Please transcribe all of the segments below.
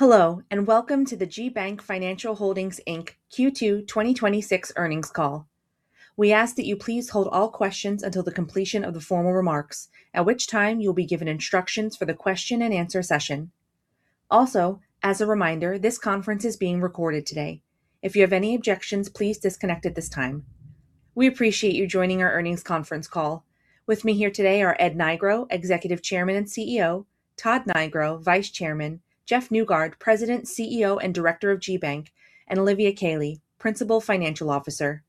Hello, welcome to the GBank Financial Holdings Inc. Q2 2026 earnings call. We ask that you please hold all questions until the completion of the formal remarks, at which time you will be given instructions for the question and answer session. Also, as a reminder, this conference is being recorded today. If you have any objections, please disconnect at this time. We appreciate you joining our earnings conference call. With me here today are Ed Nigro, Executive Chairman and CEO, Todd Nigro, Vice Chairman, Jeff Newgard, President, CEO, and Director of GBank, and Olivia Caley, Principal Financial Officer.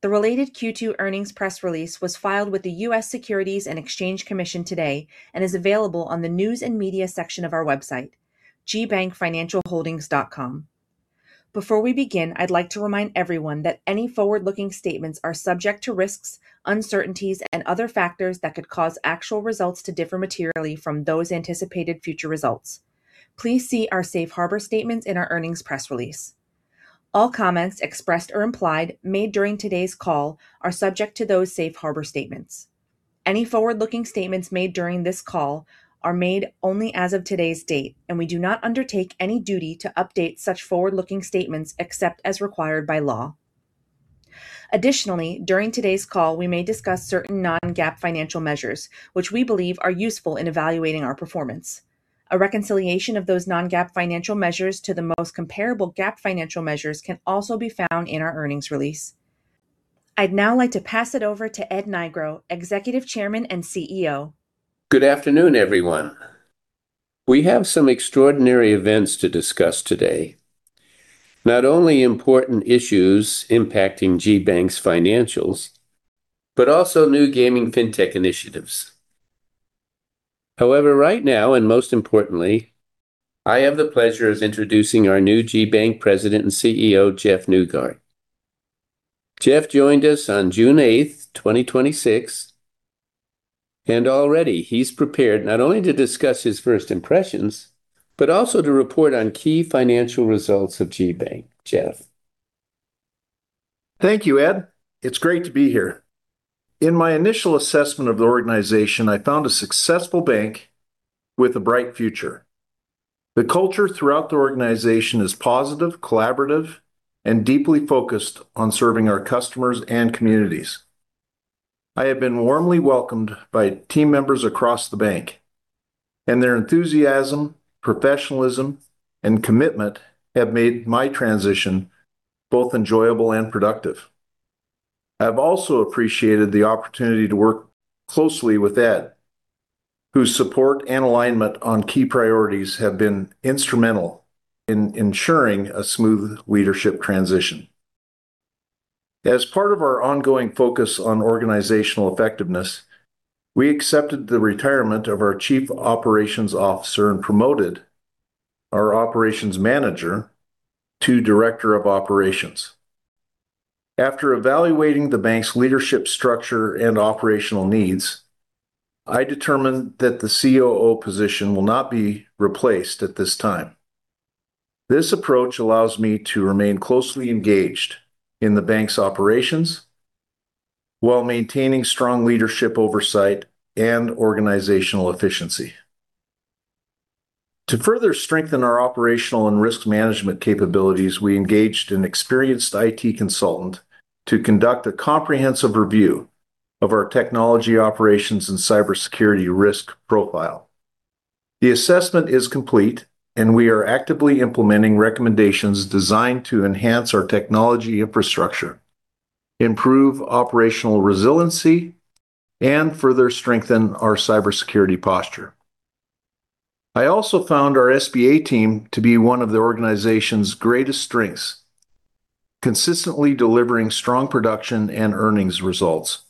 The related Q2 earnings press release was filed with the U.S. Securities and Exchange Commission today and is available on the news and media section of our website, gbankfinancialholdings.com. Before we begin, I would like to remind everyone that any forward-looking statements are subject to risks, uncertainties, and other factors that could cause actual results to differ materially from those anticipated future results. Please see our safe harbor statements in our earnings press release. All comments expressed or implied made during today's call are subject to those safe harbor statements. Any forward-looking statements made during this call are made only as of today's date. We do not undertake any duty to update such forward-looking statements except as required by law. Additionally, during today's call, we may discuss certain non-GAAP financial measures which we believe are useful in evaluating our performance. A reconciliation of those non-GAAP financial measures to the most comparable GAAP financial measures can also be found in our earnings release. I would now like to pass it over to Ed Nigro, Executive Chairman and CEO. Good afternoon, everyone. We have some extraordinary events to discuss today, not only important issues impacting GBank's financials, but also new gaming fintech initiatives. However, right now, most importantly, I have the pleasure of introducing our new GBank President and CEO, Jeff Newgard Jeff joining this on June 8, 2026 and already he is prepared not only to discuss his first impressions, but also to report on key financial results of GBank. Jeff? Thank you, Ed. It is great to be here. In my initial assessment of the organization, I found a successful bank with a bright future. The culture throughout the organization is positive, collaborative, and deeply focused on serving our customers and communities. I have been warmly welcomed by team members across the bank. Their enthusiasm, professionalism, and commitment have made my transition both enjoyable and productive. I have also appreciated the opportunity to work closely with Ed, whose support and alignment on key priorities have been instrumental in ensuring a smooth leadership transition. As part of our ongoing focus on organizational effectiveness, we accepted the retirement of our chief operations officer and promoted our operations manager to director of operations. After evaluating the bank's leadership structure and operational needs, I determined that the COO position will not be replaced at this time. This approach allows me to remain closely engaged in the bank's operations while maintaining strong leadership oversight and organizational efficiency. To further strengthen our operational and risk management capabilities, we engaged an experienced IT consultant to conduct a comprehensive review of our technology operations and cybersecurity risk profile. The assessment is complete, and we are actively implementing recommendations designed to enhance our technology infrastructure, improve operational resiliency, and further strengthen our cybersecurity posture. I also found our SBA team to be one of the organization's greatest strengths, consistently delivering strong production and earnings results.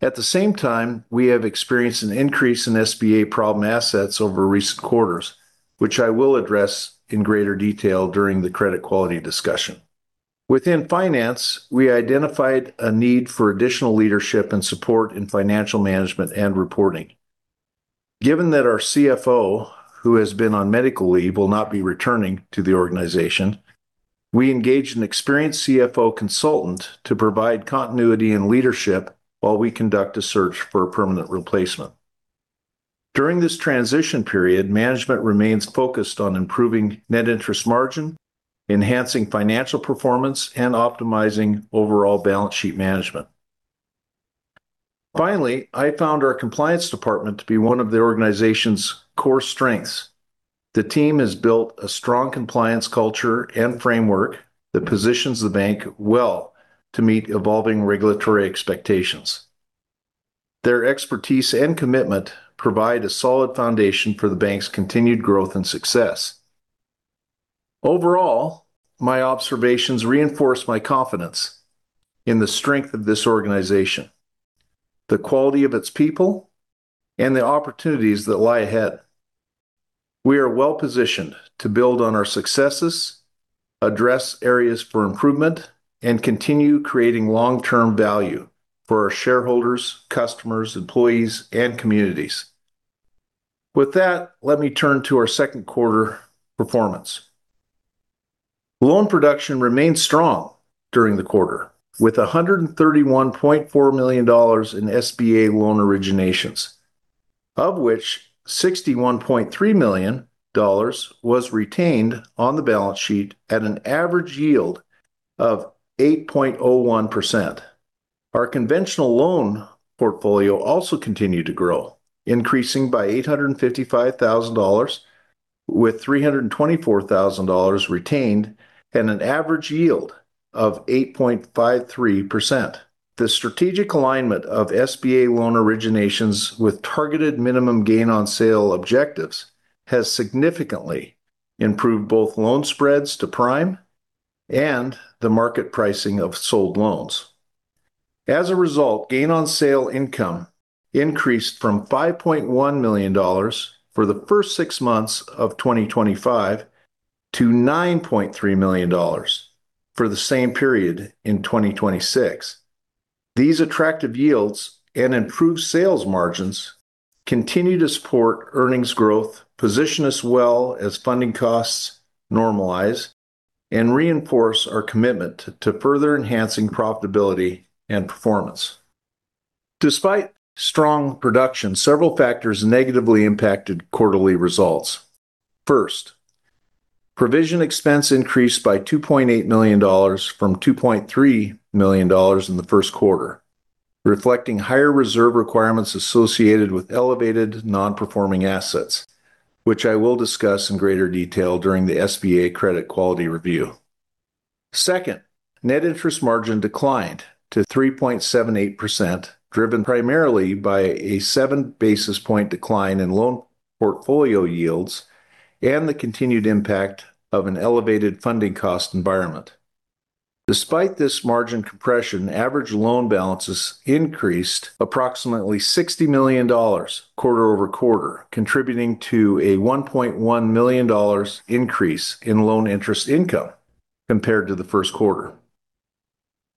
At the same time, we have experienced an increase in SBA problem assets over recent quarters, which I will address in greater detail during the credit quality discussion. Within finance, we identified a need for additional leadership and support in financial management and reporting. Given that our CFO, who has been on medical leave, will not be returning to the organization, we engaged an experienced CFO consultant to provide continuity and leadership while we conduct a search for a permanent replacement. During this transition period, management remains focused on improving net interest margin, enhancing financial performance, and optimizing overall balance sheet management. Finally, I found our compliance department to be one of the organization's core strengths. The team has built a strong compliance culture and framework that positions the bank well to meet evolving regulatory expectations. Their expertise and commitment provide a solid foundation for the bank's continued growth and success. Overall, my observations reinforce my confidence in the strength of this organization, the quality of its people, and the opportunities that lie ahead. We are well-positioned to build on our successes, address areas for improvement, and continue creating long-term value for our shareholders, customers, employees, and communities. With that, let me turn to our second quarter performance. Loan production remained strong during the quarter, with $131.4 million in SBA loan originations. Of which $61.3 million was retained on the balance sheet at an average yield of 8.01%. Our conventional loan portfolio also continued to grow, increasing by $855,000, with $324,000 retained and an average yield of 8.53%. The strategic alignment of SBA loan originations with targeted minimum gain on sale objectives has significantly improved both loan spreads to prime and the market pricing of sold loans. As a result, gain on sale income increased from $5.1 million for the first six months of 2025 to $9.3 million for the same period in 2026. These attractive yields and improved sales margins continue to support earnings growth, position us well as funding costs normalize, and reinforce our commitment to further enhancing profitability and performance. Despite strong production, several factors negatively impacted quarterly results. First, provision expense increased by $2.8 million from $2.3 million in the first quarter, reflecting higher reserve requirements associated with elevated non-performing assets, which I will discuss in greater detail during the SBA credit quality review. Second, net interest margin declined to 3.78%, driven primarily by a 7 basis points decline in loan portfolio yields and the continued impact of an elevated funding cost environment. Despite this margin compression, average loan balances increased approximately $60 million quarter-over-quarter, contributing to a $1.1 million increase in loan interest income compared to the first quarter.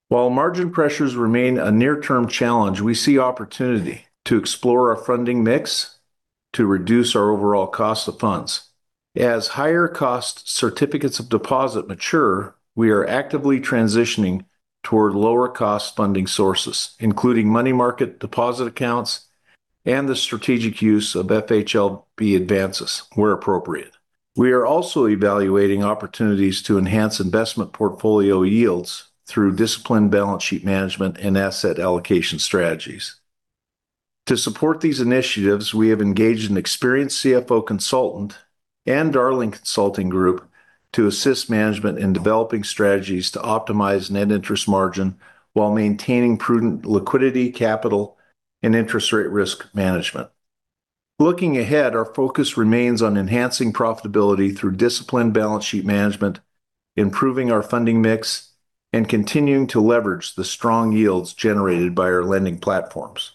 While margin pressures remain a near-term challenge, we see opportunity to explore our funding mix to reduce our overall cost of funds. As higher cost certificates of deposit mature, we are actively transitioning toward lower cost funding sources, including money market deposit accounts, and the strategic use of Federal Home Loan Bank advances where appropriate. We are also evaluating opportunities to enhance investment portfolio yields through disciplined balance sheet management and asset allocation strategies. To support these initiatives, we have engaged an experienced CFO consultant and Darling Consulting Group to assist management in developing strategies to optimize net interest margin while maintaining prudent liquidity, capital, and interest rate risk management. Looking ahead, our focus remains on enhancing profitability through disciplined balance sheet management, improving our funding mix, and continuing to leverage the strong yields generated by our lending platforms.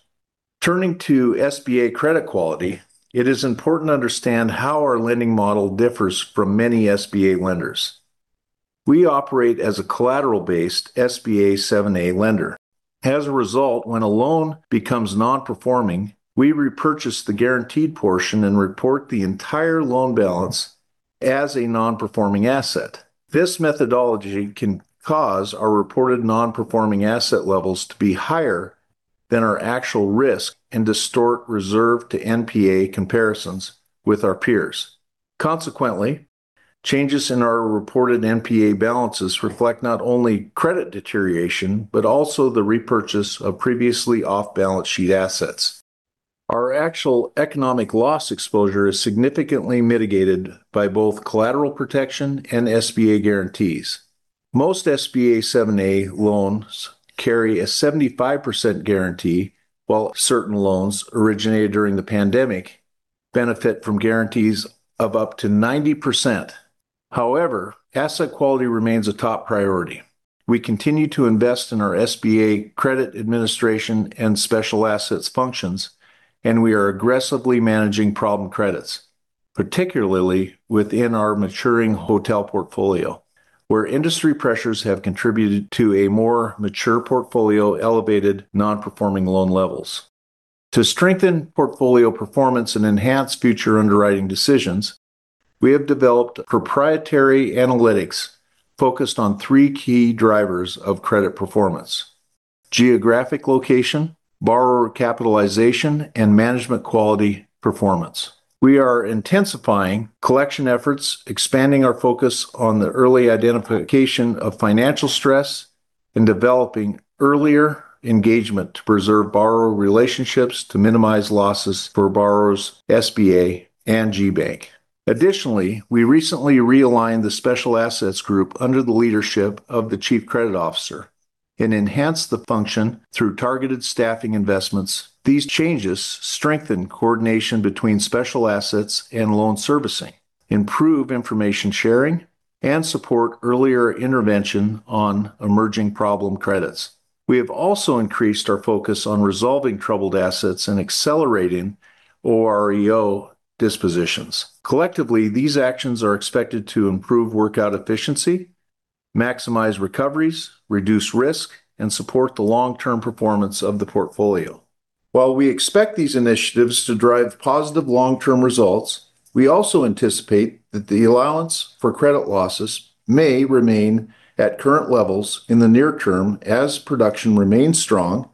Turning to SBA credit quality, it is important to understand how our lending model differs from many SBA lenders. We operate as a collateral-based SBA 7(a) lender. As a result, when a loan becomes non-performing, we repurchase the guaranteed portion and report the entire loan balance as a non-performing asset. This methodology can cause our reported non-performing asset levels to be higher than our actual risk and distort reserve to NPA comparisons with our peers. Consequently, changes in our reported NPA balances reflect not only credit deterioration, but also the repurchase of previously off-balance-sheet assets. Our actual economic loss exposure is significantly mitigated by both collateral protection and SBA guarantees. Most SBA 7(a) loans carry a 75% guarantee, while certain loans originated during the pandemic benefit from guarantees of up to 90%. However, asset quality remains a top priority. We continue to invest in our SBA credit administration and special assets functions, and we are aggressively managing problem credits, particularly within our maturing hotel portfolio, where industry pressures have contributed to a more mature portfolio, elevated non-performing loan levels. To strengthen portfolio performance and enhance future underwriting decisions, we have developed proprietary analytics focused on three key drivers of credit performance. Geographic location, borrower capitalization, and management quality performance. We are intensifying collection efforts, expanding our focus on the early identification of financial stress, and developing earlier engagement to preserve borrower relationships to minimize losses for borrowers, SBA and GBank. Additionally, we recently realigned the special assets group under the leadership of the Chief Credit Officer and enhanced the function through targeted staffing investments. These changes strengthen coordination between special assets and loan servicing, improve information sharing, and support earlier intervention on emerging problem credits. We have also increased our focus on resolving troubled assets and accelerating other real estate owned dispositions. Collectively, these actions are expected to improve workout efficiency, maximize recoveries, reduce risk, and support the long-term performance of the portfolio. While we expect these initiatives to drive positive long-term results, we also anticipate that the allowance for credit losses may remain at current levels in the near term as production remains strong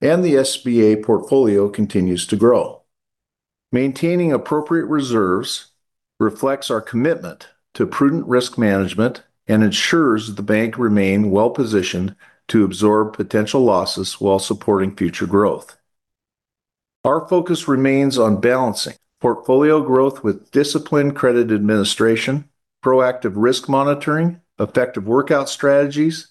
and the SBA portfolio continues to grow. Maintaining appropriate reserves reflects our commitment to prudent risk management and ensures the bank remain well-positioned to absorb potential losses while supporting future growth. Our focus remains on balancing portfolio growth with disciplined credit administration, proactive risk monitoring, effective workout strategies,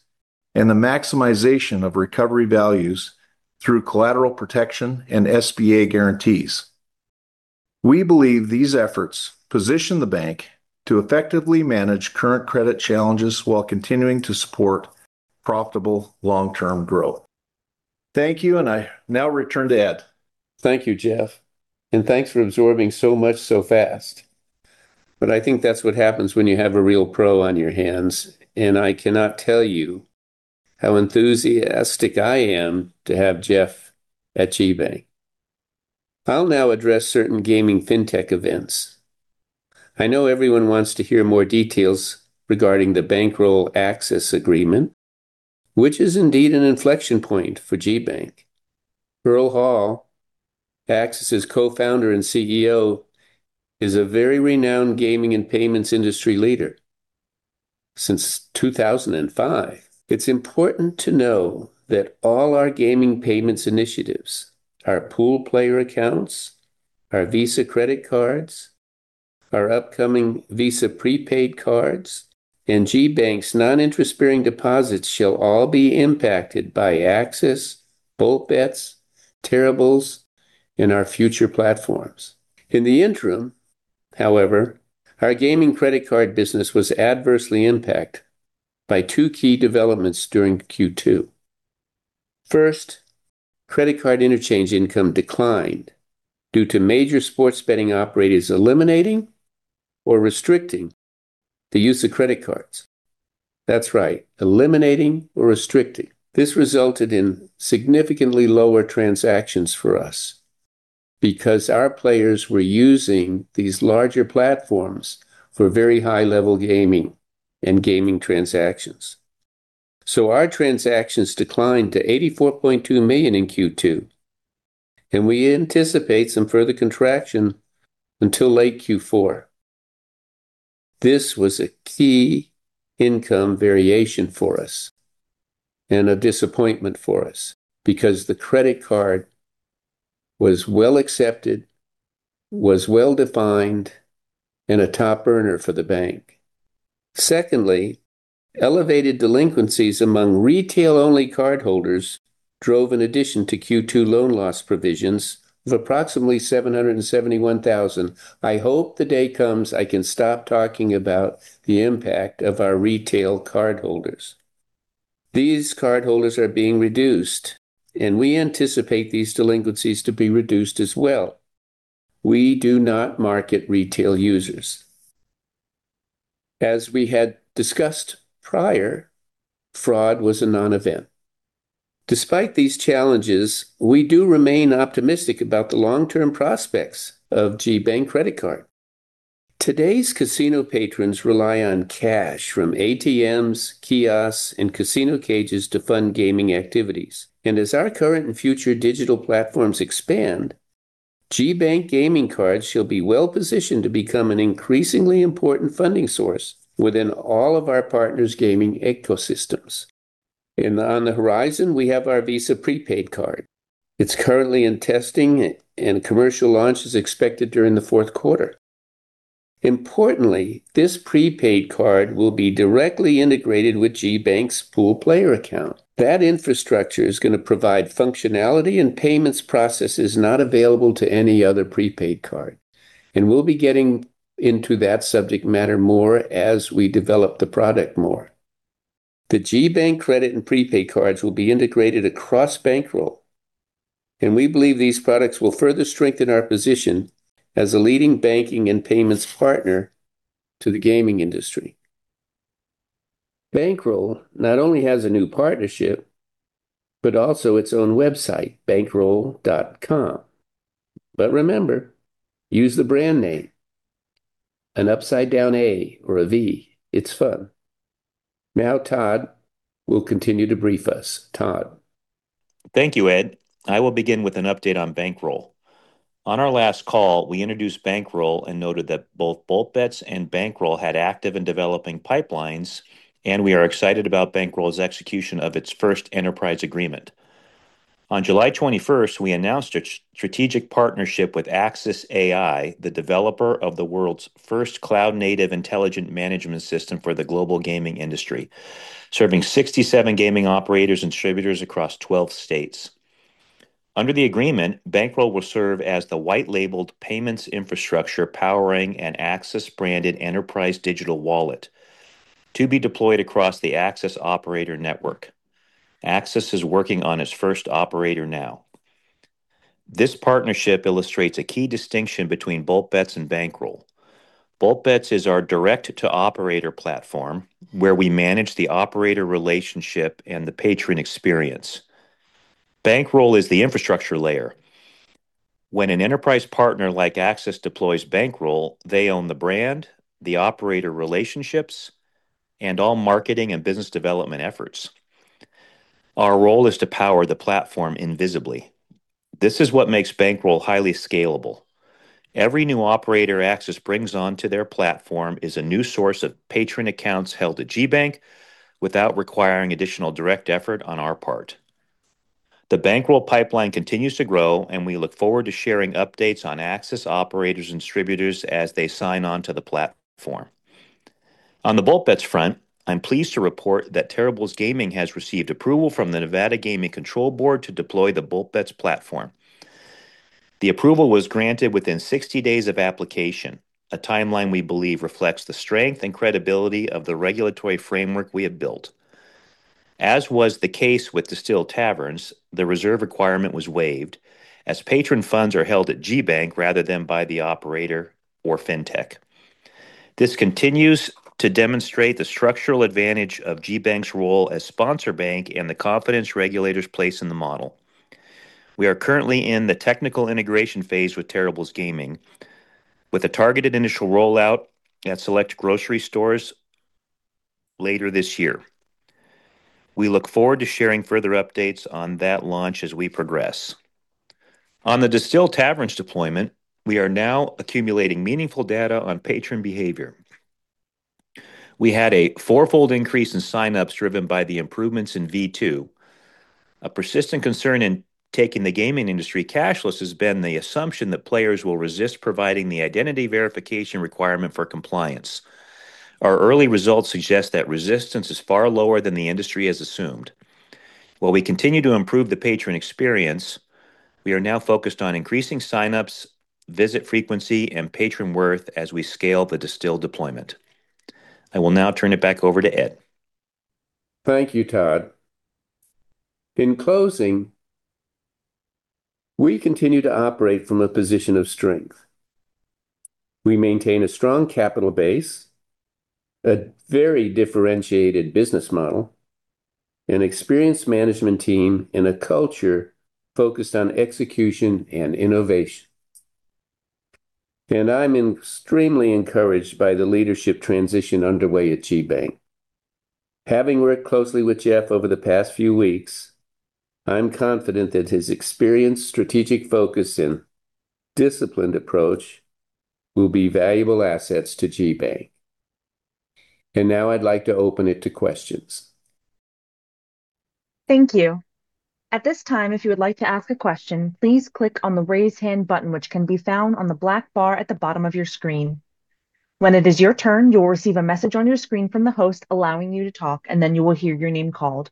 and the maximization of recovery values through collateral protection and SBA guarantees. We believe these efforts position the bank to effectively manage current credit challenges while continuing to support profitable long-term growth. Thank you, and I now return to Ed. Thank you, Jeff, and thanks for absorbing so much so fast. I think that's what happens when you have a real pro on your hands, and I cannot tell you how enthusiastic I am to have Jeff at GBank. I'll now address certain gaming fintech events. I know everyone wants to hear more details regarding the Bankroll AXES agreement, which is indeed an inflection point for GBank. Earle Hall, AXES' Co-founder and CEO, is a very renowned gaming and payments industry leader since 2005. It's important to know that all our gaming payments initiatives, our Pooled Player Accounts, our Visa credit cards, our upcoming Visa Prepaid Cards, and GBank's non-interest-bearing deposits shall all be impacted by AXES, BoltBetz, Terrible's, and our future platforms. In the interim, however, our gaming credit card business was adversely impacted by two key developments during Q2. First, credit card interchange income declined due to major sports betting operators eliminating or restricting the use of credit cards. That's right, eliminating or restricting. This resulted in significantly lower transactions for us because our players were using these larger platforms for very high-level gaming and gaming transactions. Our transactions declined to $84.2 million in Q2, and we anticipate some further contraction until late Q4. This was a key income variation for us and a disappointment for us because the credit card was well accepted, was well-defined, and a top earner for the bank. Secondly, elevated delinquencies among retail-only cardholders drove an addition to Q2 loan loss provisions of approximately $771,000. I hope the day comes I can stop talking about the impact of our retail cardholders. These cardholders are being reduced, and we anticipate these delinquencies to be reduced as well. We do not market retail users. As we had discussed prior, fraud was a non-event. Despite these challenges, we do remain optimistic about the long-term prospects of GBank credit card. Today's casino patrons rely on cash from ATMs, kiosks, and casino cages to fund gaming activities. As our current and future digital platforms expand, GBank gaming cards shall be well-positioned to become an increasingly important funding source within all of our partners' gaming ecosystems. On the horizon, we have our Visa Prepaid Card. It's currently in testing, and commercial launch is expected during the fourth quarter. Importantly, this prepaid card will be directly integrated with GBank's Pooled Player Account. That infrastructure is going to provide functionality and payments processes not available to any other prepaid card. We'll be getting into that subject matter more as we develop the product more. The GBank credit and prepaid cards will be integrated across BVNKROLL, we believe these products will further strengthen our position as a leading banking and payments partner to the gaming industry. BVNKROLL not only has a new partnership, but also its own website, bvnkroll.com. Remember, use the brand name, an upside-down A or a V. It's fun. Todd will continue to brief us. Todd. Thank you, Ed. I will begin with an update on BVNKROLL. On our last call, we introduced BVNKROLL and noted that both BoltBetz and BVNKROLL had active and developing pipelines, we are excited about BVNKROLL's execution of its first enterprise agreement. On July 21st, we announced a strategic partnership with AXES.ai, the developer of the world's first cloud-native intelligent management system for the global gaming industry, serving 67 gaming operators and distributors across 12 states. Under the agreement, BVNKROLL will serve as the white-labeled payments infrastructure powering an AXES-branded enterprise digital wallet to be deployed across the AXES operator network. AXES is working on its first operator now. This partnership illustrates a key distinction between BoltBetz and BVNKROLL. BoltBetz is our direct-to-operator platform where we manage the operator relationship and the patron experience. BVNKROLL is the infrastructure layer. When an enterprise partner like AXES deploys BVNKROLL, they own the brand, the operator relationships, and all marketing and business development efforts. Our role is to power the platform invisibly. This is what makes BVNKROLL highly scalable. Every new operator AXES brings onto their platform is a new source of patron accounts held at GBank without requiring additional direct effort on our part. The BVNKROLL pipeline continues to grow, we look forward to sharing updates on AXES operators and distributors as they sign onto the platform. On the BoltBetz front, I'm pleased to report that Terrible's Gaming has received approval from the Nevada Gaming Control Board to deploy the BoltBetz platform. The approval was granted within 60 days of application, a timeline we believe reflects the strength and credibility of the regulatory framework we have built. As was the case with Distill Taverns, the reserve requirement was waived as patron funds are held at GBank rather than by the operator or fintech. This continues to demonstrate the structural advantage of GBank's role as sponsor bank and the confidence regulators place in the model. We are currently in the technical integration phase with Terrible's Gaming, with a targeted initial rollout at select grocery stores later this year. We look forward to sharing further updates on that launch as we progress. On the Distill Taverns deployment, we are now accumulating meaningful data on patron behavior. We had a fourfold increase in sign-ups driven by the improvements in V2. A persistent concern in taking the gaming industry cashless has been the assumption that players will resist providing the identity verification requirement for compliance. Our early results suggest that resistance is far lower than the industry has assumed. While we continue to improve the patron experience, we are now focused on increasing sign-ups, visit frequency, and patron worth as we scale the Distill deployment. I will now turn it back over to Ed. Thank you, Todd. In closing, we continue to operate from a position of strength. We maintain a strong capital base, a very differentiated business model, an experienced management team, and a culture focused on execution and innovation. I'm extremely encouraged by the leadership transition underway at GBank. Having worked closely with Jeff over the past few weeks, I'm confident that his experience, strategic focus, and disciplined approach will be valuable assets to GBank. Now I'd like to open it to questions. Thank you. At this time, if you would like to ask a question, please click on the raise hand button, which can be found on the black bar at the bottom of your screen. When it is your turn, you'll receive a message on your screen from the host allowing you to talk, then you will hear your name called.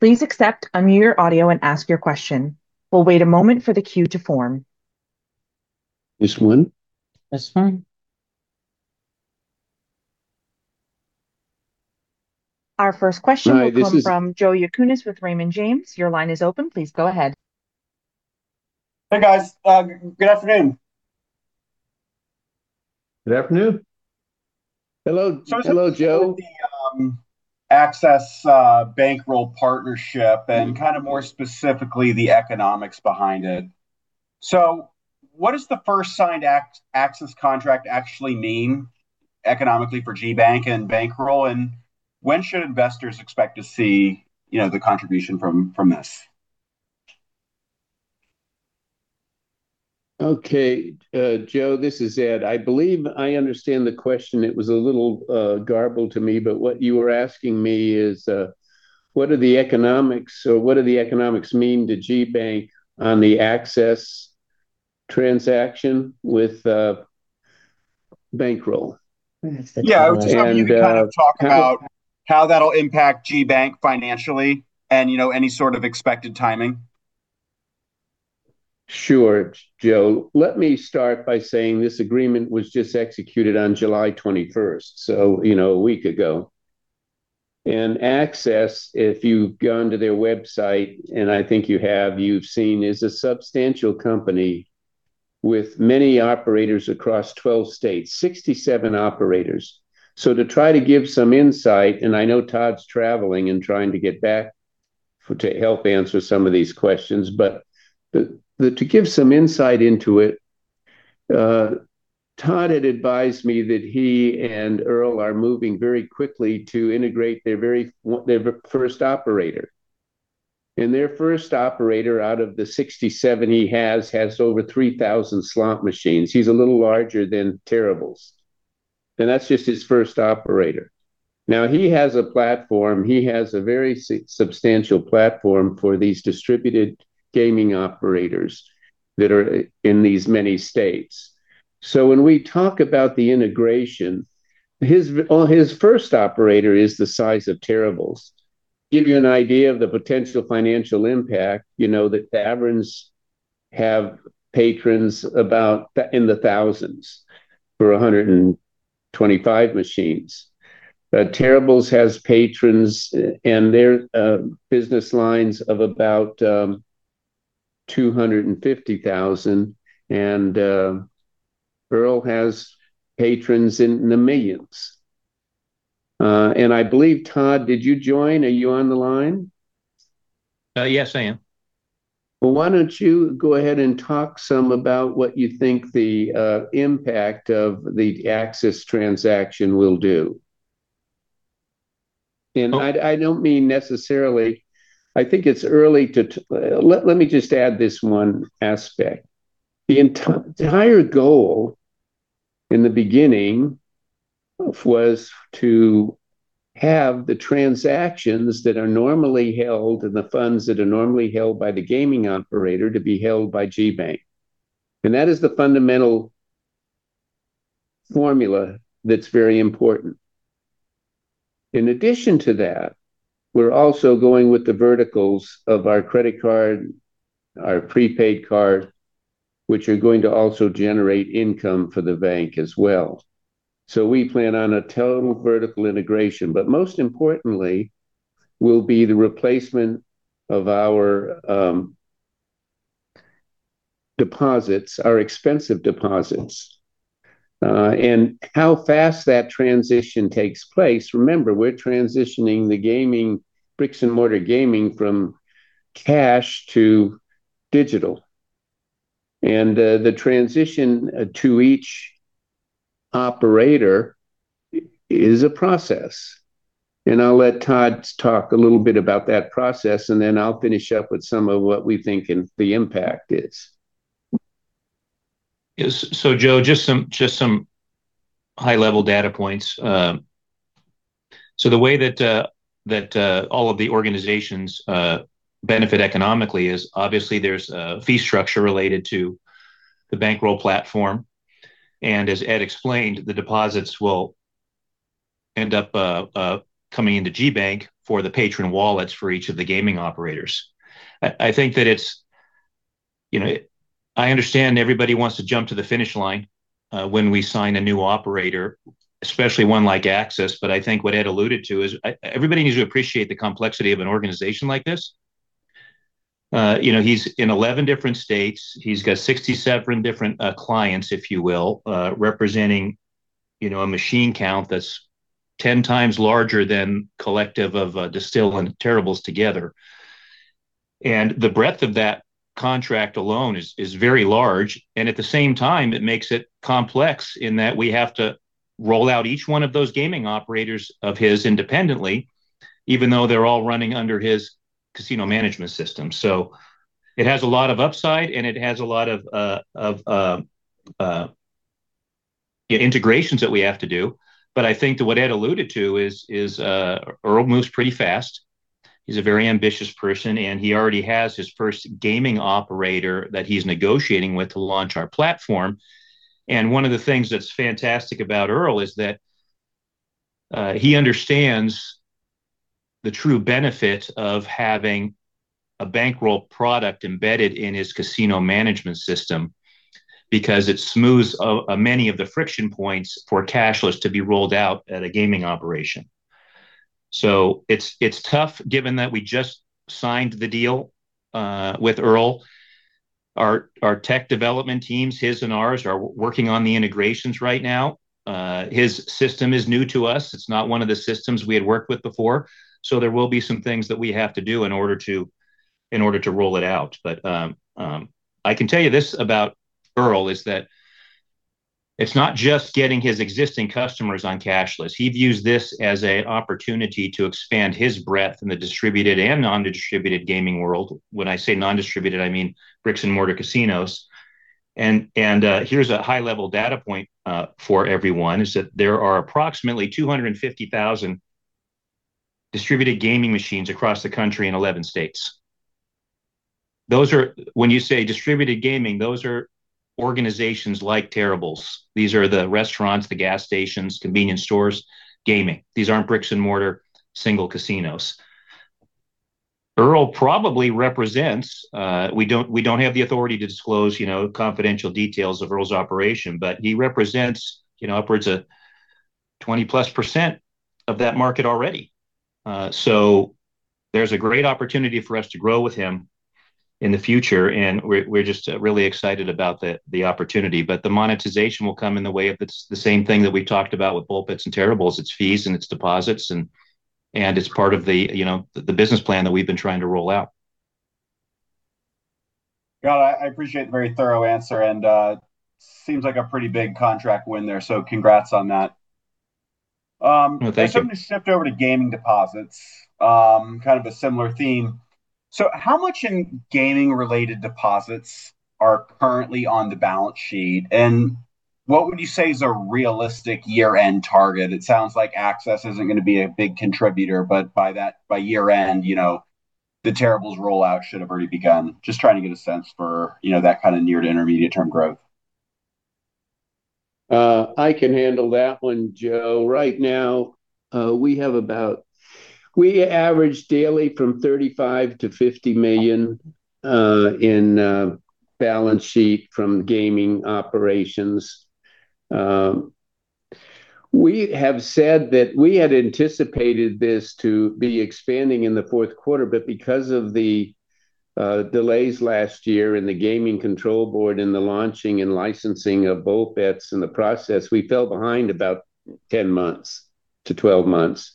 Please accept, unmute your audio, and ask your question. We'll wait a moment for the queue to form. This one? This one. Our first question will come from Joe Yanchunis with Raymond James. Your line is open. Please go ahead. Hey, guys. Good afternoon. Good afternoon. Hello, Joe. I just wanted to go over the AXES BVNKROLL partnership and kind of more specifically the economics behind it. What is the first signed AXES contract actually mean economically for GBank and BVNKROLL, and when should investors expect to see the contribution from this? Okay. Joe, this is Ed. I believe I understand the question. It was a little garbled to me, what you were asking me is, what are the economics, or what do the economics mean to GBank on the AXES transaction with BVNKROLL? Yeah. I was just hoping you could kind of talk about how that'll impact GBank financially and any sort of expected timing? Sure, Joe. Let me start by saying this agreement was just executed on July 21st, a week ago. AXES, if you've gone to their website, and I think you have, you've seen is a substantial company with many operators across 12 states, 67 operators. To try to give some insight, and I know Todd's traveling and trying to get back to help answer some of these questions, but to give some insight into it, Todd had advised me that he and Earle are moving very quickly to integrate their first operator. Their first operator out of the 67 he has over 3,000 slot machines. He's a little larger than Terrible's. That's just his first operator. Now he has a platform. He has a very substantial platform for these distributed gaming operators that are in these many states. When we talk about the integration, his first operator is the size of Terrible's. Give you an idea of the potential financial impact, the taverns have patrons about in the thousands for 125 machines. Terrible's has patrons and their business lines of about 250,000, and Earle has patrons in the millions. I believe, Todd, did you join? Are you on the line? Yes, I am. Why don't you go ahead and talk some about what you think the impact of the AXES transaction will do. I don't mean necessarily. Let me just add this one aspect. The entire goal, in the beginning, was to have the transactions that are normally held, and the funds that are normally held by the gaming operator to be held by GBank. That is the fundamental formula that's very important. In addition to that, we're also going with the verticals of our credit card, our prepaid card, which are going to also generate income for the bank as well. We plan on a total vertical integration, but most importantly will be the replacement of our deposits, our expensive deposits. How fast that transition takes place, remember, we're transitioning the bricks-and-mortar gaming from cash to digital. The transition to each operator is a process. I'll let Todd talk a little bit about that process, then I'll finish up with some of what we think the impact is. Yes. Joe, just some high-level data points. The way that all of the organizations benefit economically is obviously there's a fee structure related to the BVNKROLL platform. As Ed explained, the deposits will end up coming into GBank for the patron wallets for each of the gaming operators. I understand everybody wants to jump to the finish line when we sign a new operator, especially one like AXES, but I think what Ed alluded to is everybody needs to appreciate the complexity of an organization like this. He's in 11 different states. He's got 67 different clients, if you will, representing a machine count that's 10x larger than collective of Distill and Terrible's together. The breadth of that contract alone is very large, and at the same time, it makes it complex in that we have to roll out each one of those gaming operators of his independently, even though they're all running under his casino management system. It has a lot of upside, and it has a lot of integrations that we have to do. But I think that what Ed alluded to is, Earle moves pretty fast. He's a very ambitious person, and he already has his first gaming operator that he's negotiating with to launch our platform. One of the things that's fantastic about Earle is that he understands the true benefit of having a BVNKROLL product embedded in his casino management system because it smooths many of the friction points for cashless to be rolled out at a gaming operation. It's tough given that we just signed the deal with Earle. Our tech development teams, his and ours, are working on the integrations right now. His system is new to us. It's not one of the systems we had worked with before, so there will be some things that we have to do in order to roll it out. But I can tell you this about Earle, is that it's not just getting his existing customers on cashless. He views this as an opportunity to expand his breadth in the distributed and non-distributed gaming world. When I say non-distributed, I mean bricks-and-mortar casinos. Here's a high-level data point for everyone, is that there are approximately 250,000 distributed gaming machines across the country in 11 states. When you say distributed gaming, those are organizations like Terrible's. These are the restaurants, the gas stations, convenience stores gaming. These aren't bricks-and-mortar single casinos. Earle probably represents. We don't have the authority to disclose confidential details of Earle's operation, but he represents upwards of 20+% of that market already. There's a great opportunity for us to grow with him in the future, and we're just really excited about the opportunity. But the monetization will come in the way of the same thing that we talked about with BoltBetz and Terrible's. It's fees and it's deposits, and it's part of the business plan that we've been trying to roll out. Yeah. I appreciate the very thorough answer. Seems like a pretty big contract win there. Congrats on that. Thank you. I'm going to shift over to gaming deposits. Kind of a similar theme. How much in gaming-related deposits are currently on the balance sheet, and what would you say is a realistic year-end target? It sounds like AXES isn't going to be a big contributor, but by year-end, the Terrible's rollout should have already begun. Just trying to get a sense for that kind of near to intermediate-term growth. I can handle that one, Joe. Right now, we average daily from $35 million-$50 million in balance sheet from gaming operations. We have said that we had anticipated this to be expanding in the fourth quarter, but because of the delays last year in the Gaming Control Board, and the launching and licensing of BoltBetz and the process, we fell behind about 10 months to 12 months.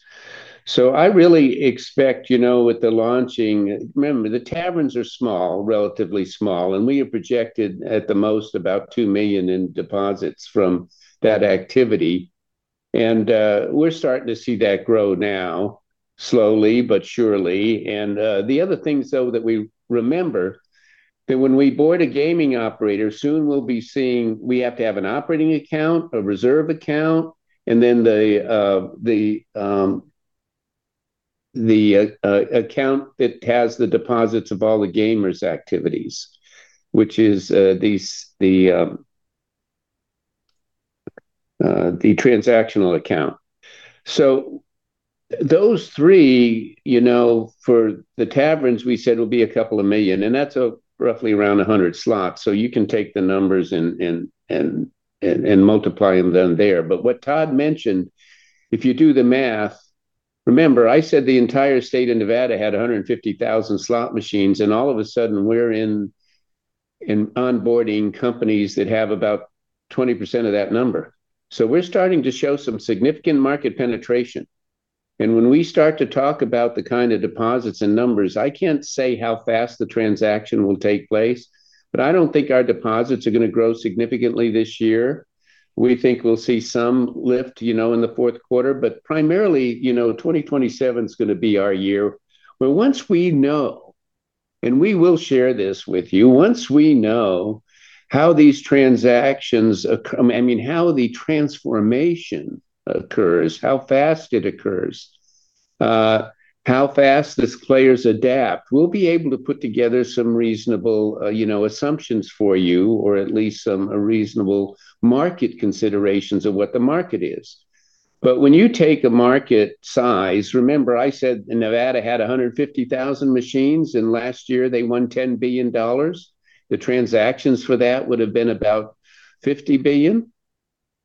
I really expect, with the launching. Remember, the taverns are relatively small, and we have projected at the most about $2 million in deposits from that activity. We're starting to see that grow now, slowly but surely. The other thing, though, that we remember, that when we board a gaming operator, soon we'll be seeing we have to have an operating account, a reserve account, and then the account that has the deposits of all the gamers' activities, which is the transactional account. Those three, for the taverns, we said will be a couple of million, and that's roughly around 100 slots. You can take the numbers and multiply them there. What Todd mentioned, if you do the math, remember, I said the entire state of Nevada had 150,000 slot machines, and all of a sudden we're in onboarding companies that have about 20% of that number. We're starting to show some significant market penetration. When we start to talk about the kind of deposits and numbers, I can't say how fast the transaction will take place, but I don't think our deposits are going to grow significantly this year. We think we'll see some lift in the fourth quarter, primarily, 2027 is going to be our year, where once we know, and we will share this with you. Once we know how these transactions occur, how the transformation occurs, how fast it occurs, how fast these players adapt, we'll be able to put together some reasonable assumptions for you, or at least some reasonable market considerations of what the market is. When you take a market size, remember I said Nevada had 150,000 machines, and last year they won $10 billion. The transactions for that would've been about $50 billion.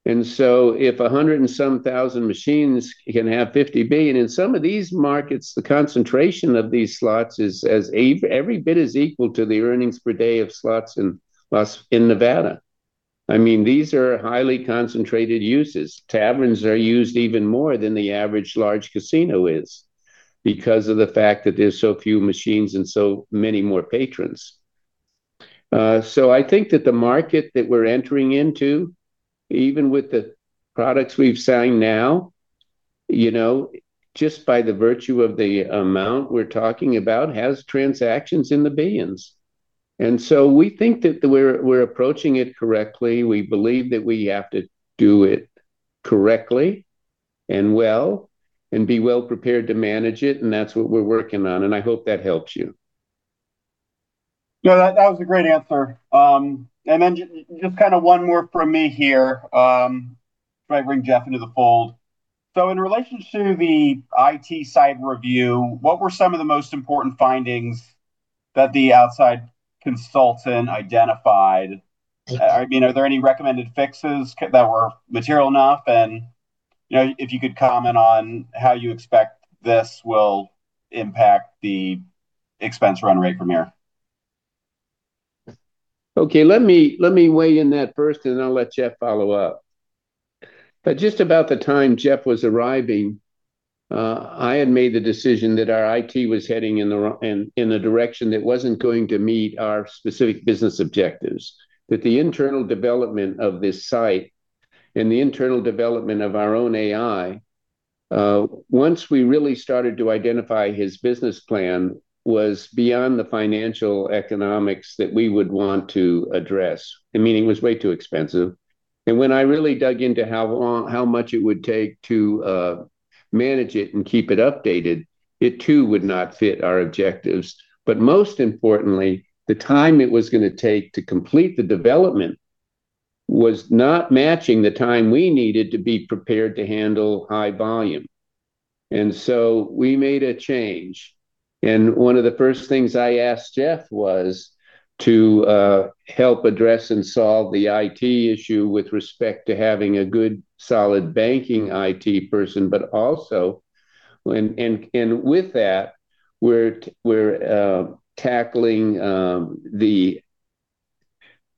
If 100 and some thousand machines can have $50 billion, in some of these markets, the concentration of these slots is as every bit is equal to the earnings per day of slots in Nevada. These are highly concentrated uses. Taverns are used even more than the average large casino is because of the fact that there's so few machines and so many more patrons. I think that the market that we're entering into, even with the products we've signed now, just by the virtue of the amount we're talking about, has transactions in the billions. We think that we're approaching it correctly. We believe that we have to do it correctly and well, and be well-prepared to manage it, and that's what we're working on, and I hope that helps you. No, that was a great answer. Just one more from me here. Try to bring Jeff into the fold. In relation to the IT site review, what were some of the most important findings that the outside consultant identified? Are there any recommended fixes that were material enough? If you could comment on how you expect this will impact the expense run rate from here. Okay. Let me weigh in that first, I'll let Jeff follow up. Just about the time Jeff was arriving, I had made the decision that our IT was heading in the direction that wasn't going to meet our specific business objectives, that the internal development of this site, and the internal development of our own AI, once we really started to identify his business plan, was beyond the financial economics that we would want to address. Meaning it was way too expensive. When I really dug into how long, how much it would take to manage it and keep it updated, it too would not fit our objectives. Most importantly, the time it was going to take to complete the development was not matching the time we needed to be prepared to handle high volume. We made a change, and one of the first things I asked Jeff was to help address and solve the IT issue with respect to having a good, solid banking IT person. Also, with that, we're tackling the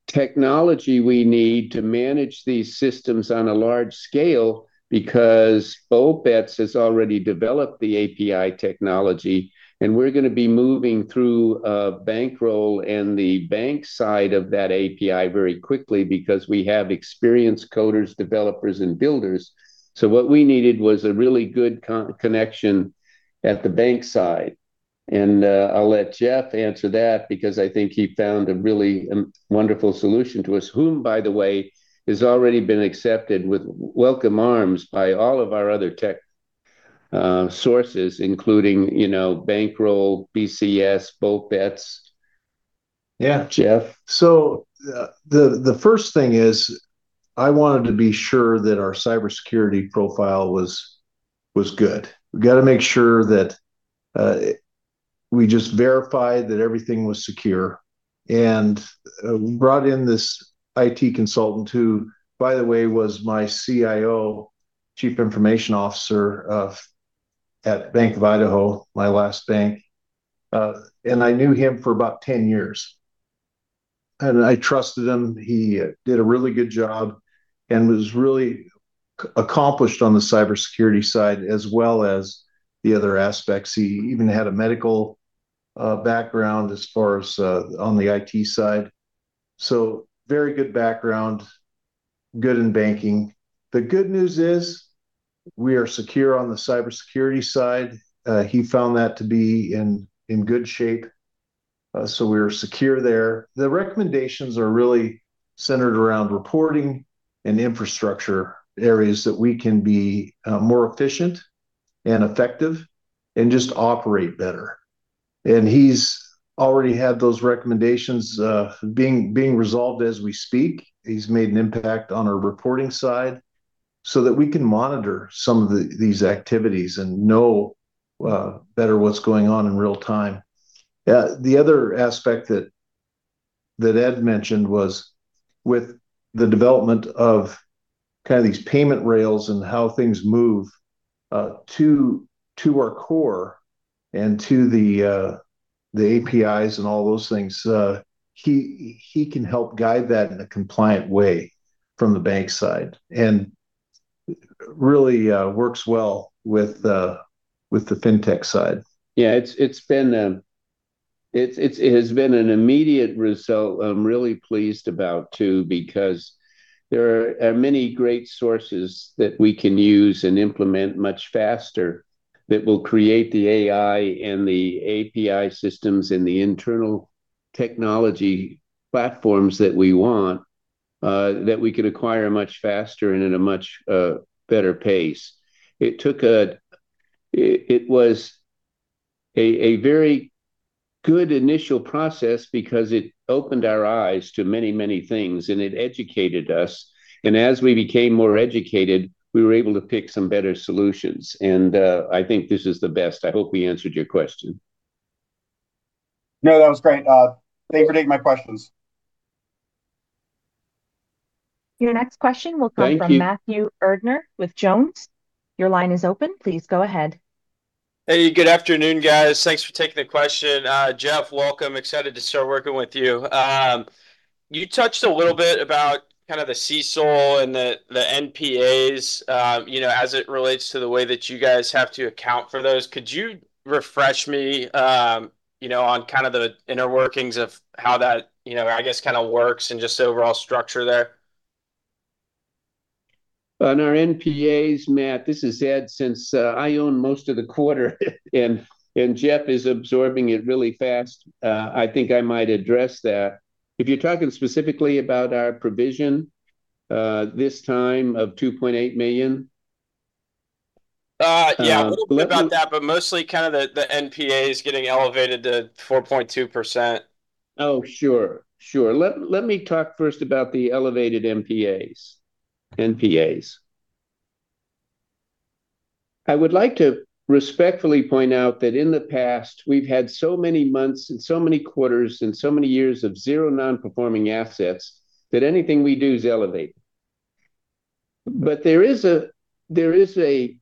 technology we need to manage these systems on a large scale because BoltBetz has already developed the API technology, and we're going to be moving through BVNKROLL and the bank side of that API very quickly because we have experienced coders, developers, and builders. So what we needed was a really good connection at the bank side. I'll let Jeff answer that because I think he found a really wonderful solution to us, whom, by the way, has already been accepted with welcome arms by all of our other tech sources, including BVNKROLL, BCS, BoltBetz. Yeah. Jeff? The first thing is I wanted to be sure that our cybersecurity profile was good. We got to make sure that we just verified that everything was secure, and we brought in this IT consultant who, by the way, was my CIO, Chief Information Officer, at Bank of Idaho, my last bank. I knew him for about 10 years, and I trusted him. He did a really good job and was really accomplished on the cybersecurity side as well as the other aspects. He even had a medical background as far as on the IT side, so very good background, good in banking. The good news is we are secure on the cybersecurity side. He found that to be in good shape, so we are secure there. The recommendations are really centered around reporting and infrastructure areas that we can be more efficient and effective and just operate better. He's already had those recommendations being resolved as we speak. He's made an impact on our reporting side so that we can monitor some of these activities and know better what's going on in real time. The other aspect that Ed mentioned was with the development of these payment rails and how things move to our core and to the APIs and all those things. He can help guide that in a compliant way from the bank side, and really works well with the fintech side. It has been an immediate result I'm really pleased about, too, because there are many great sources that we can use and implement much faster that will create the AI and the API systems and the internal technology platforms that we want, that we can acquire much faster and at a much better pace. It was a very good initial process because it opened our eyes to many things, and it educated us. As we became more educated, we were able to pick some better solutions, and I think this is the best. I hope we answered your question. No, that was great. Thanks for taking my questions. Your next question will come from Matthew Erdner with JonesTrading. Your line is open. Please go ahead. Hey, good afternoon, guys. Thanks for taking the question. Jeff, welcome. Excited to start working with you. You touched a little bit about the current expected credit losses and the NPAs, as it relates to the way that you guys have to account for those. Could you refresh me on the inner workings of how that, I guess, works and just the overall structure there? On our NPAs, Matt, this is Ed. Since I own most of the quarter and Jeff is absorbing it really fast, I think I might address that. If you're talking specifically about our provision this time of $2.8 million. Yeah. A little bit about that, but mostly the NPAs getting elevated to 4.2%. Oh, sure. Let me talk first about the elevated NPAs. I would like to respectfully point out that in the past we've had so many months and so many quarters and so many years of zero non-performing assets, that anything we do is elevated. There is a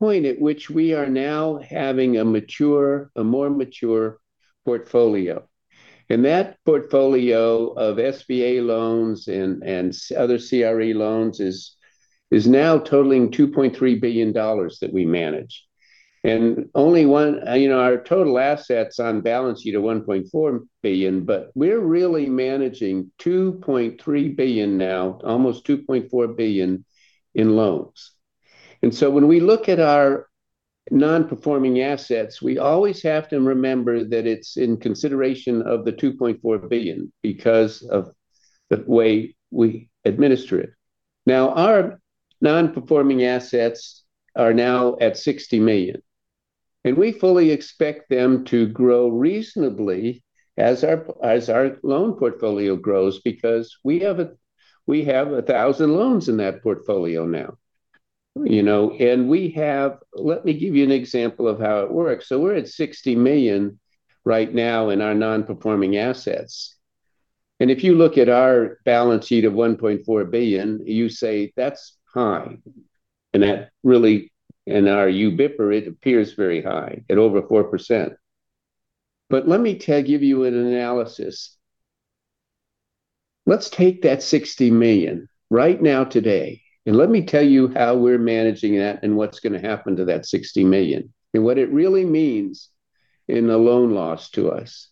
point at which we are now having a more mature portfolio, and that portfolio of SBA loans and other CRE loans is now totaling $2.3 billion that we manage. Our total assets on balance sheet are $1.4 billion, but we're really managing $2.3 billion now, almost $2.4 billion in loans. When we look at our non-performing assets, we always have to remember that it's in consideration of the $2.4 billion because of the way we administer it. Our non-performing assets are now at $60 million, and we fully expect them to grow reasonably as our loan portfolio grows because we have 1,000 loans in that portfolio now. Let me give you an example of how it works. We're at $60 million right now in our non-performing assets, and if you look at our balance sheet of $1.4 billion, you say, "That's high." Our Uniform Bank Performance Report, it appears very high at over 4%. Let me give you an analysis. Let's take that $60 million right now today and let me tell you how we're managing that and what's going to happen to that $60 million and what it really means in the loan loss to us.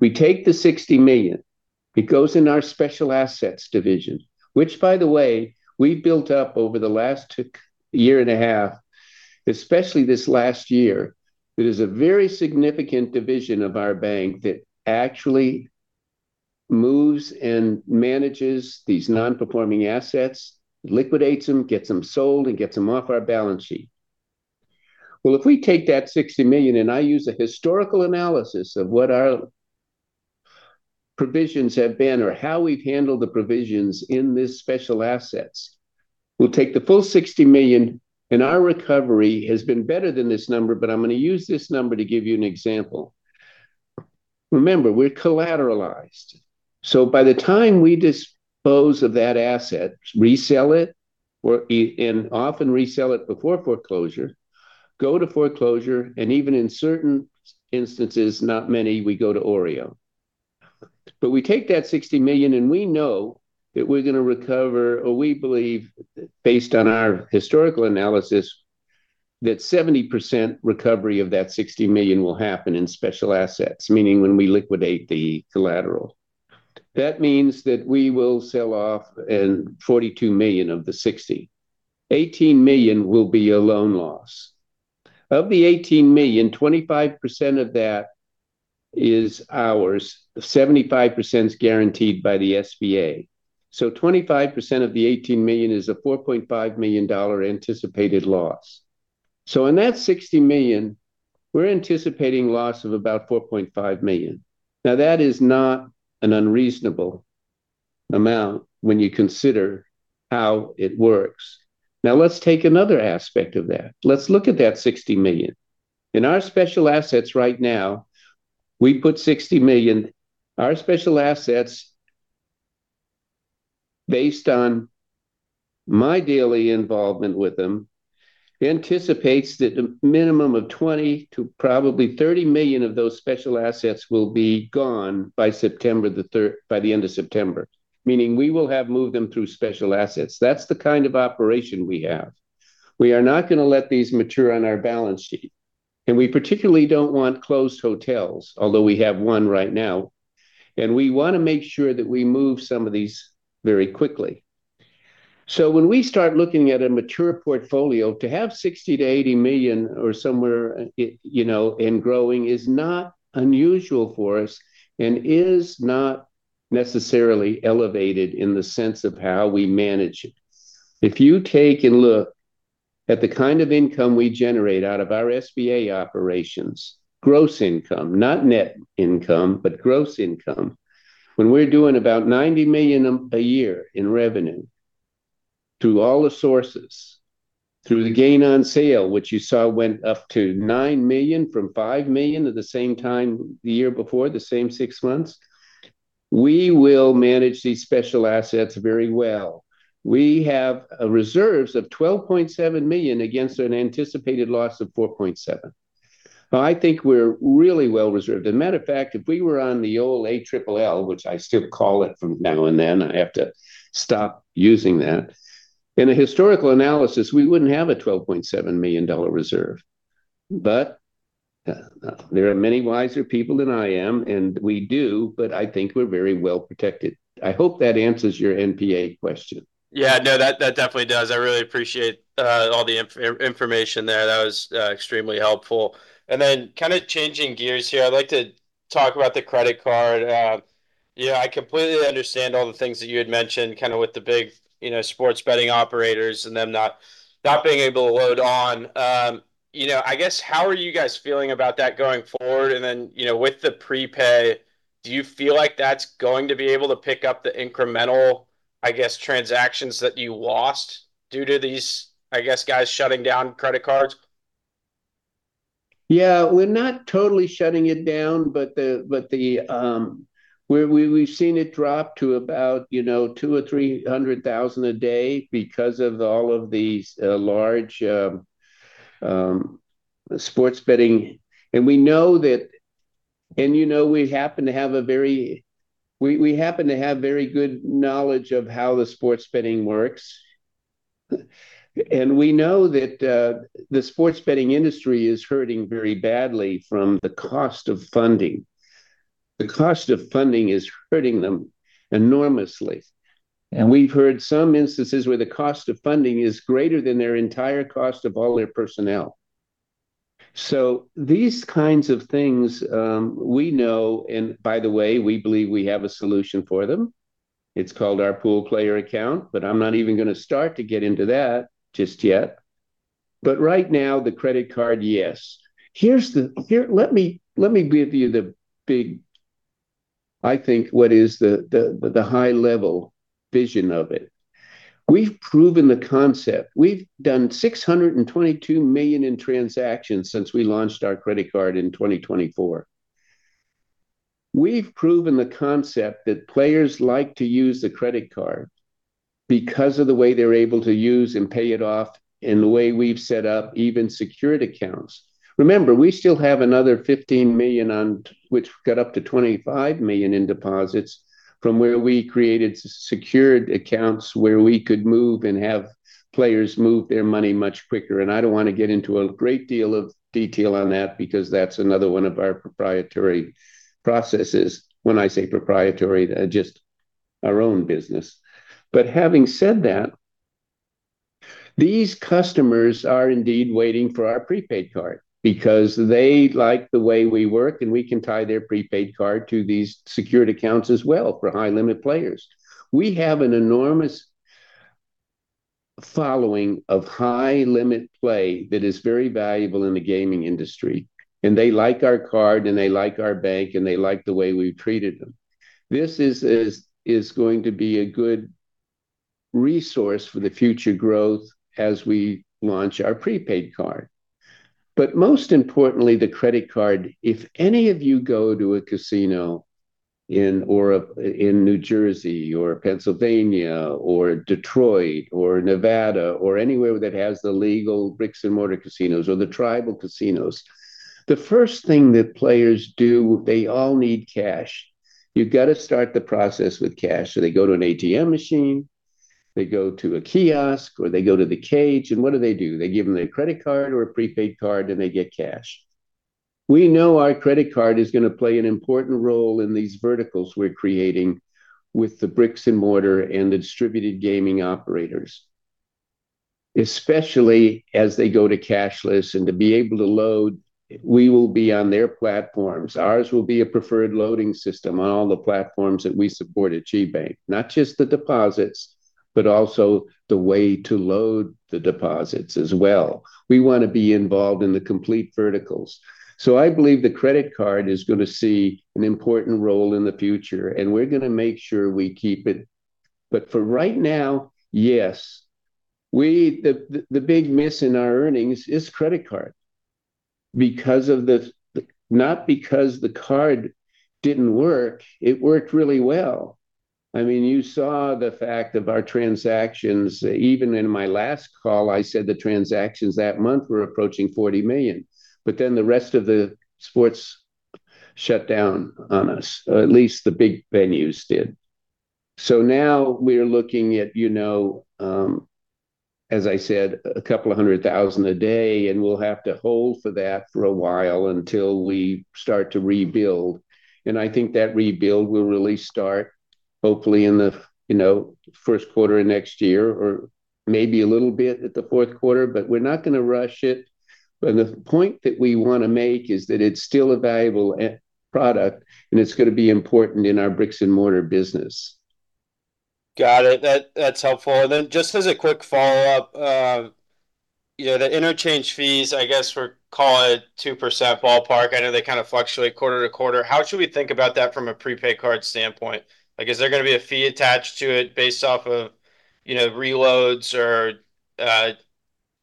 We take the $60 million, it goes in our special assets division, which by the way, we've built up over the last year and a half, especially this last year. It is a very significant division of our bank that actually moves and manages these non-performing assets, liquidates them, gets them sold, and gets them off our balance sheet. If we take that $60 million, and I use a historical analysis of what our provisions have been or how we've handled the provisions in this special assets. We'll take the full $60 million, and our recovery has been better than this number, but I'm going to use this number to give you an example. Remember, we're collateralized, so by the time we dispose of that asset, resell it, and often resell it before foreclosure, go to foreclosure, and even in certain instances, not many, we go to OREO. We take that $60 million, and we know that we're going to recover, or we believe based on our historical analysis, that 70% recovery of that $60 million will happen in special assets, meaning when we liquidate the collateral. That means that we will sell off $42 million of the $60 million. $18 million will be a loan loss. Of the $18 million, 25% of that is ours. 75% is guaranteed by the SBA. 25% of the $18 million is a $4.5 million anticipated loss. In that $60 million, we're anticipating loss of about $4.5 million. That is not an unreasonable amount when you consider how it works. Let's take another aspect of that. Let's look at that $60 million. In our special assets right now, we put $60 million. Our special assets, based on my daily involvement with them, anticipates that a minimum of $20 million to probably $30 million of those special assets will be gone by the end of September, meaning we will have moved them through special assets. That's the kind of operation we have. We are not going to let these mature on our balance sheet, and we particularly don't want closed hotels, although we have one right now, and we want to make sure that we move some of these very quickly. When we start looking at a mature portfolio, to have $60 million to $80 million or somewhere, and growing is not unusual for us and is not necessarily elevated in the sense of how we manage it. If you take a look at the kind of income we generate out of our SBA operations, gross income, not net income, but gross income, when we're doing about $90 million a year in revenue through all the sources, through the gain on sale, which you saw went up to $9 million from $5 million at the same time the year before, the same six months, we will manage these special assets very well. We have reserves of $12.7 million against an anticipated loss of $4.7 million. Now, I think we're really well-reserved. As a matter of fact, if we were on the old allowance for loan and lease losses, which I still call it from now and then, I have to stop using that, in a historical analysis, we wouldn't have a $12.7 million reserve. There are many wiser people than I am, and we do, but I think we're very well-protected. I hope that answers your NPA question. Yeah, that definitely does. I really appreciate all the information there. That was extremely helpful. Changing gears here, I'd like to talk about the credit card. I completely understand all the things that you had mentioned with the big sports betting operators and them not being able to load on. I guess, how are you guys feeling about that going forward? With the prepay, do you feel like that's going to be able to pick up the incremental transactions that you lost due to these guys shutting down credit cards? We're not totally shutting it down, but we've seen it drop to about $200,000 or $300,000 a day because of all of these large sports betting. We happen to have very good knowledge of how the sports betting works. We know that the sports betting industry is hurting very badly from the cost of funding. The cost of funding is hurting them enormously, and we've heard some instances where the cost of funding is greater than their entire cost of all their personnel. These kinds of things we know, and by the way, we believe we have a solution for them. It's called our Pooled Player Account, I'm not even going to start to get into that just yet. Right now, the credit card, yes. Let me give you the big, I think, what is the high-level vision of it. We've proven the concept. We've done $622 million in transactions since we launched our credit card in 2024. We've proven the concept that players like to use the credit card because of the way they're able to use and pay it off and the way we've set up even secured accounts. Remember, we still have another $15 million on, which got up to $25 million in deposits from where we created secured accounts where we could move and have players move their money much quicker. I don't want to get into a great deal of detail on that because that's another one of our proprietary processes. When I say proprietary, just our own business. Having said that, these customers are indeed waiting for our prepaid card because they like the way we work, and we can tie their prepaid card to these secured accounts as well for high-limit players. We have an enormous following of high limit play that is very valuable in the gaming industry. They like our card, and they like our bank, and they like the way we treated them. This is going to be a good resource for the future growth as we launch our prepaid card. Most importantly, the credit card, if any of you go to a casino in New Jersey or Pennsylvania or Detroit or Nevada or anywhere that has the legal bricks and mortar casinos or the tribal casinos, the first thing that players do, they all need cash. You've got to start the process with cash. They go to an ATM machine, they go to a kiosk, or they go to the cage. What do they do? They give them their credit card or a prepaid card, and they get cash. We know our credit card is going to play an important role in these verticals we're creating with the bricks and mortar and the distributed gaming operators. Especially as they go to cashless and to be able to load, we will be on their platforms. Ours will be a preferred loading system on all the platforms that we support at GBank. Not just the deposits, but also the way to load the deposits as well. We want to be involved in the complete verticals. I believe the credit card is going to see an important role in the future, and we're going to make sure we keep it. For right now, yes, the big miss in our earnings is credit card. Not because the card didn't work. It worked really well. You saw the fact of our transactions. Even in my last call, I said the transactions that month were approaching 40 million. The rest of the sports shut down on us, or at least the big venues did. Now we are looking at, as I said, a couple of hundred thousand a day, and we'll have to hold for that for a while until we start to rebuild. I think that rebuild will really start hopefully in the first quarter of next year or maybe a little bit at the fourth quarter, but we're not going to rush it. The point that we want to make is that it's still a valuable product, and it's going to be important in our bricks and mortar business. Got it. That's helpful. Just as a quick follow-up, the interchange fees, I guess call it 2% ballpark. I know they fluctuate quarter-to-quarter. How should we think about that from a prepaid card standpoint? Is there going to be a fee attached to it based off of reloads or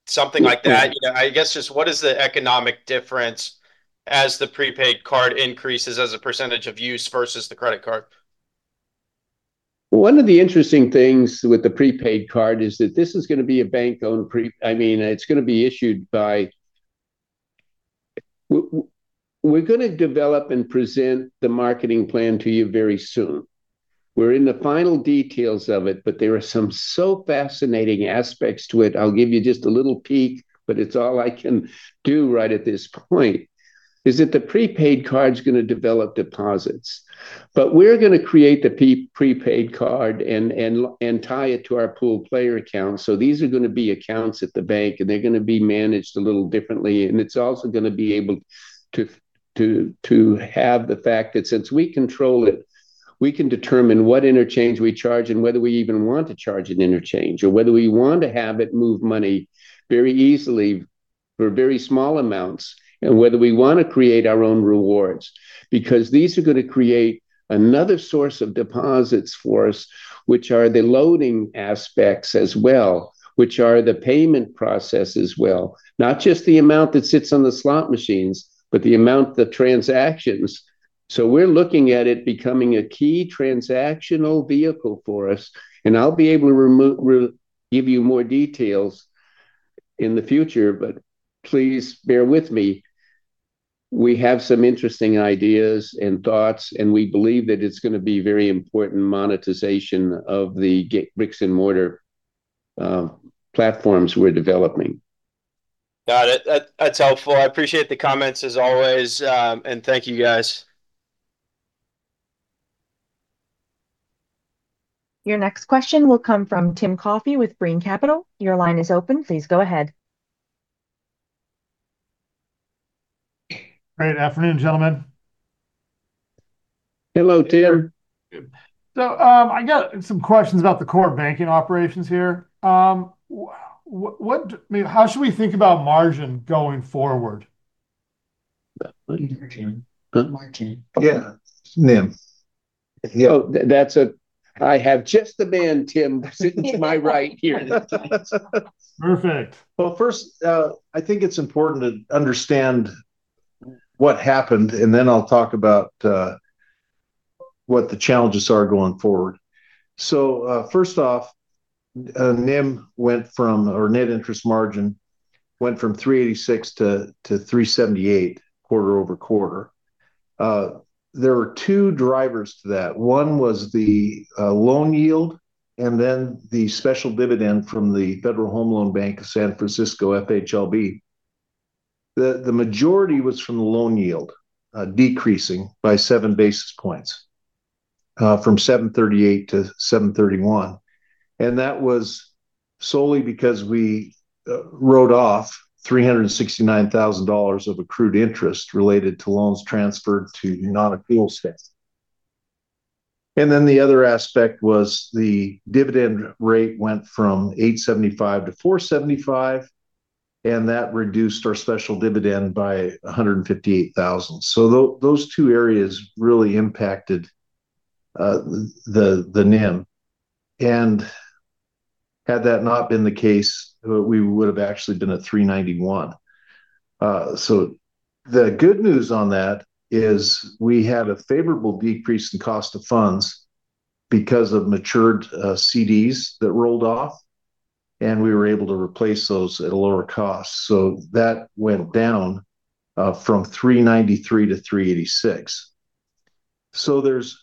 something like that? I guess just what is the economic difference as the prepaid card increases as a percentage of use versus the credit card? One of the interesting things with the prepaid card is that this is going to be a bank-owned. It's going to be issued. We're going to develop and present the marketing plan to you very soon. We're in the final details of it, there are some so fascinating aspects to it. I'll give you just a little peek, but it's all I can do right at this point, is that the prepaid card is going to develop deposits. We're going to create the prepaid card and tie it to our Pooled Player Account. These are going to be accounts at the bank, and they're going to be managed a little differently. It's also going to be able to have the fact that since we control it, we can determine what interchange we charge and whether we even want to charge an interchange, or whether we want to have it move money very easily for very small amounts, and whether we want to create our own rewards. These are going to create another source of deposits for us, which are the loading aspects as well, which are the payment process as well. Not just the amount that sits on the slot machines, but the amount, the transactions. We're looking at it becoming a key transactional vehicle for us, and I'll be able to give you more details in the future. Please bear with me. We have some interesting ideas and thoughts, we believe that it's going to be very important monetization of the bricks and mortar platforms we're developing. Got it. That's helpful. I appreciate the comments as always. Thank you, guys. Your next question will come from Tim Coffey with Brean Capital. Your line is open. Please go ahead. Great afternoon, gentlemen. Hello, Tim. I got some questions about the core banking operations here. How should we think about margin going forward? [audio ditortion] Yeah. NIM. Yeah. I have just the man, Tim, sitting to my right here. Perfect. First, I think it's important to understand what happened, then I'll talk about what the challenges are going forward. First off, NIM, or net interest margin, went from 386 to 378 quarter-over-quarter. There were two drivers to that. One was the loan yield, then the special dividend from the Federal Home Loan Bank of San Francisco, FHLB. The majority was from the loan yield, decreasing by 7 basis points, from 738 to 731. That was solely because we wrote off $369,000 of accrued interest related to loans transferred to non-accrual status. The other aspect was the dividend rate went from 875 to 475, that reduced our special dividend by $158,000. Those two areas really impacted the NIM. Had that not been the case, we would've actually been at 391. The good news on that is we had a favorable decrease in cost of funds because of matured CDs that rolled off, we were able to replace those at a lower cost. That went down from 393 to 386. There's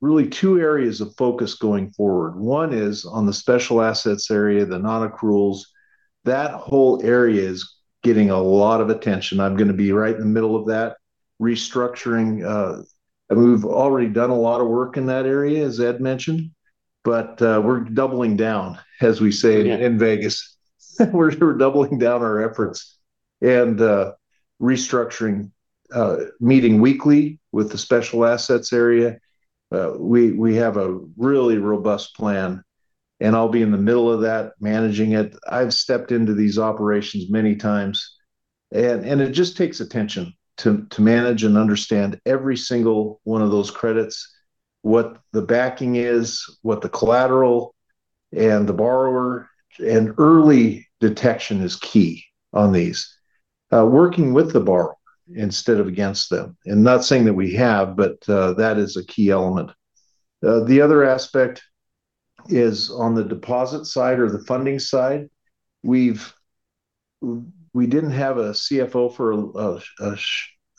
really two areas of focus going forward. One is on the special assets area, the non-accruals. That whole area is getting a lot of attention. I'm going to be right in the middle of that restructuring. We've already done a lot of work in that area, as Ed mentioned, we're doubling down in Vegas. We're doubling down our efforts and restructuring, meeting weekly with the special assets area. We have a really robust plan. I'll be in the middle of that managing it. I've stepped into these operations many times. It just takes attention to manage and understand every single one of those credits, what the backing is, what the collateral and the borrower, and early detection is key on these. Working with the borrower instead of against them. Not saying that we have, but that is a key element. The other aspect is on the deposit side or the funding side. We didn't have a CFO for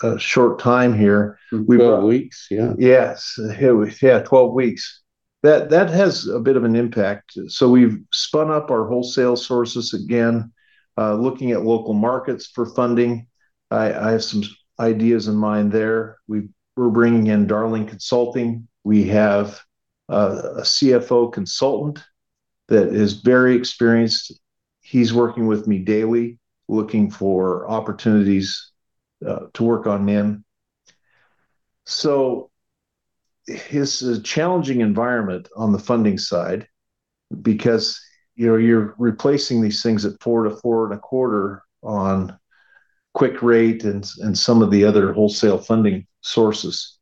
a short time here. Yes. Yeah, 12 weeks. That has a bit of an impact. We've spun up our wholesale sources again, looking at local markets for funding. I have some ideas in mind there. We're bringing in Darling Consulting. We have a CFO consultant that is very experienced. He's working with me daily looking for opportunities to work on NIM. It's a challenging environment on the funding side because you're replacing these things at four to four and a quarter on QwickRate and some of the other wholesale funding sources.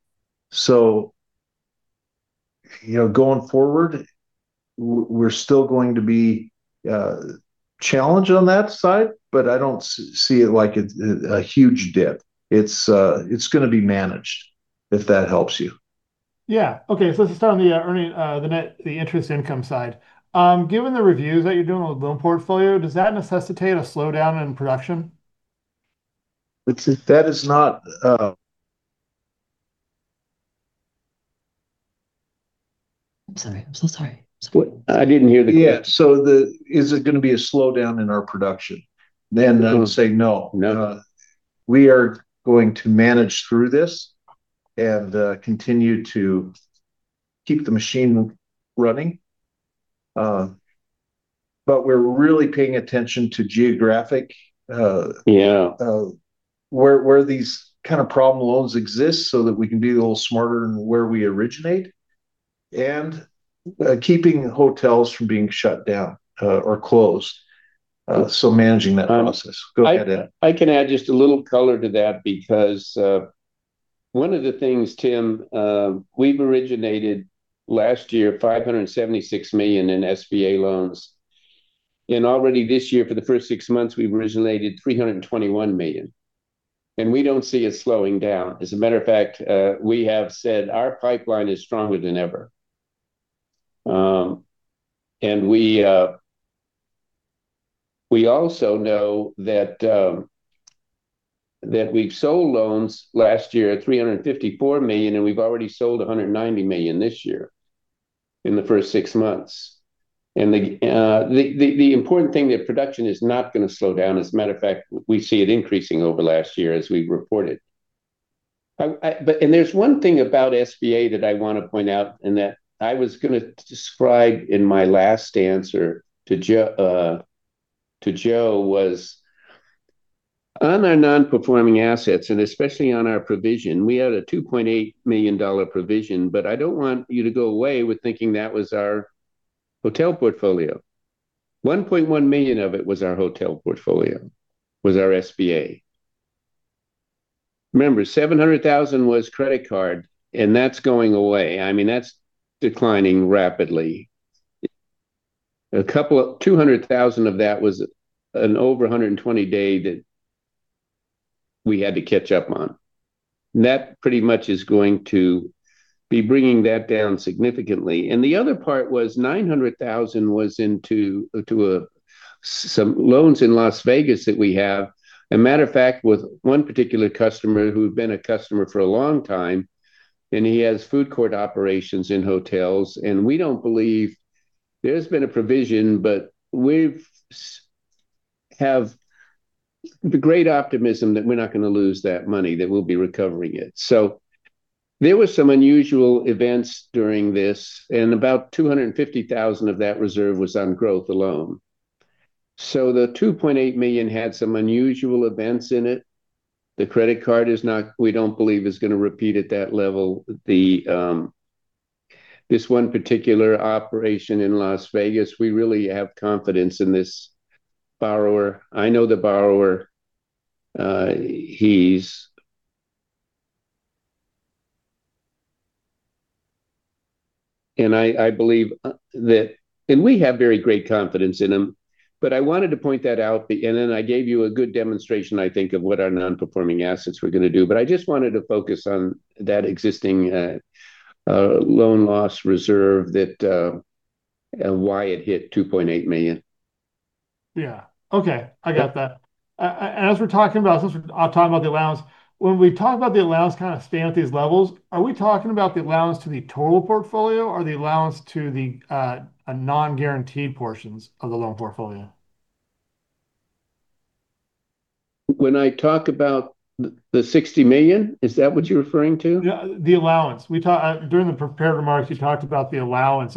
Going forward, we're still going to be challenged on that side, but I don't see it like it's a huge dip. It's going to be managed, if that helps you. Yeah. Okay, let's start on the interest income side. Given the reviews that you're doing with loan portfolio, does that necessitate a slowdown in production? That is not. I'm sorry. I'm so sorry. Sorry. I didn't hear the question. Yeah. Is it going to be a slowdown in our production? Then, I will say no. No. We are going to manage through this and continue to keep the machine running. We're really paying attention to geographic. Yeah. Where these kind of problem loans exist so that we can be a little smarter in where we originate, and keeping hotels from being shut down or closed. Managing that process. Go ahead, Ed. I can add just a little color to that because one of the things, Tim Coffey, we've originated last year $576 million in SBA loans, already this year for the first six months, we've originated $321 million, and we don't see it slowing down. As a matter of fact, we have said our pipeline is stronger than ever. We also know that we've sold loans last year at $354 million, and we've already sold $190 million this year in the first six months. The important thing, that production is not going to slow down. As a matter of fact, we see it increasing over last year as we've reported. There's one thing about SBA that I want to point out and that I was going to describe in my last answer to Joe was on our non-performing assets, and especially on our provision, we had a $2.8 million provision, but I don't want you to go away with thinking that was our hotel portfolio. $1.1 million of it was our hotel portfolio, was our SBA. Remember, $700,000 was credit card, and that's going away. That's declining rapidly. $200,000 of that was an over 120-day that we had to catch up on. That pretty much is going to be bringing that down significantly. The other part was $900,000 was into some loans in Las Vegas that we have. A matter of fact, with one particular customer who'd been a customer for a long time, he has food court operations in hotels, we don't believe there's been a provision, we have the great optimism that we're not going to lose that money, that we'll be recovering it. There were some unusual events during this, about $250,000 of that reserve was on growth alone. The $2.8 million had some unusual events in it. The credit card, we don't believe is going to repeat at that level. This one particular operation in Las Vegas, we really have confidence in this borrower. I know the borrower. We have very great confidence in him, but I wanted to point that out. Then I gave you a good demonstration, I think, of what our non-performing assets were going to do. I just wanted to focus on that existing loan loss reserve and why it hit $2.8 million. Yeah. Okay. I get that. As we're talking about the allowance, when we talk about the allowance kind of staying at these levels, are we talking about the allowance to the total portfolio or the allowance to the non-guaranteed portions of the loan portfolio? When I talk about the $60 million, is that what you're referring to? Yeah, the allowance. During the prepared remarks, you talked about the allowance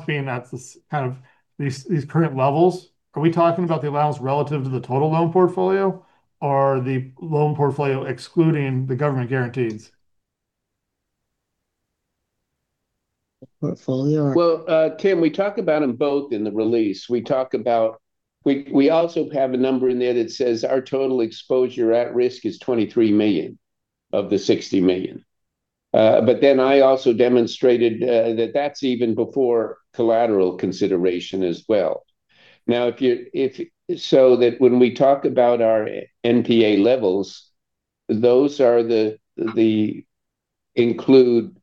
being at this kind of these current levels. Are we talking about the allowance relative to the total loan portfolio, or the loan portfolio excluding the government guarantees? Well, Tim, we talk about them both in the release. We also have a number in there that says our total exposure at risk is $23 million of the $60 million. I also demonstrated that that's even before collateral consideration as well. When we talk about our NPA levels, those include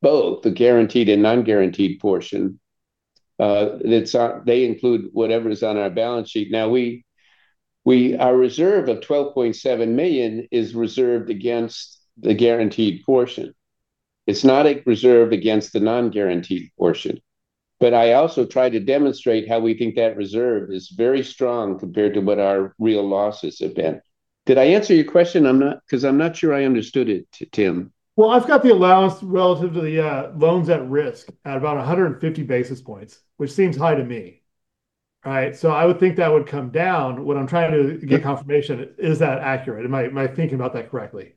both the guaranteed and non-guaranteed portion. They include whatever's on our balance sheet. Our reserve of $12.7 million is reserved against the guaranteed portion. It's not reserved against the non-guaranteed portion. I also try to demonstrate how we think that reserve is very strong compared to what our real losses have been. Did I answer your question? I'm not sure I understood it, Tim. Well, I've got the allowance relative to the loans at risk at about 150 basis points, which seems high to me. Right? I would think that would come down. What I'm trying to get confirmation. Is that accurate? Am I thinking about that correctly?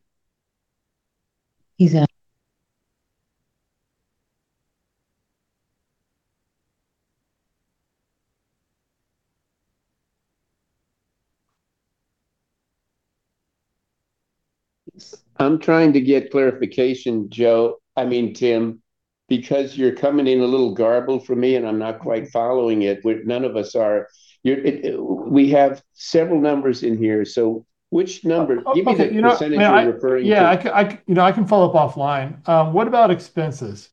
I'm trying to get clarification, Tim, you're coming in a little garbled for me, and I'm not quite following it. None of us are. We have several numbers in here. Which number? Give me the percentage you're referring to. I can follow up offline. What about expenses?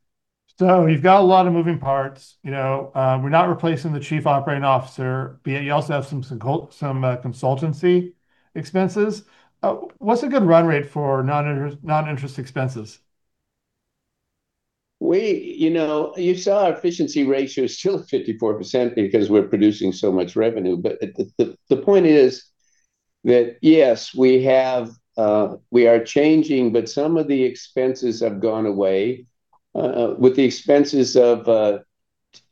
You've got a lot of moving parts. We're not replacing the Chief Operating Officer, but you also have some consultancy expenses. What's a good run rate for non-interest expenses? You saw our efficiency ratio is still 54% because we're producing so much revenue. The point is that, yes, we are changing, but some of the expenses have gone away. With the expenses of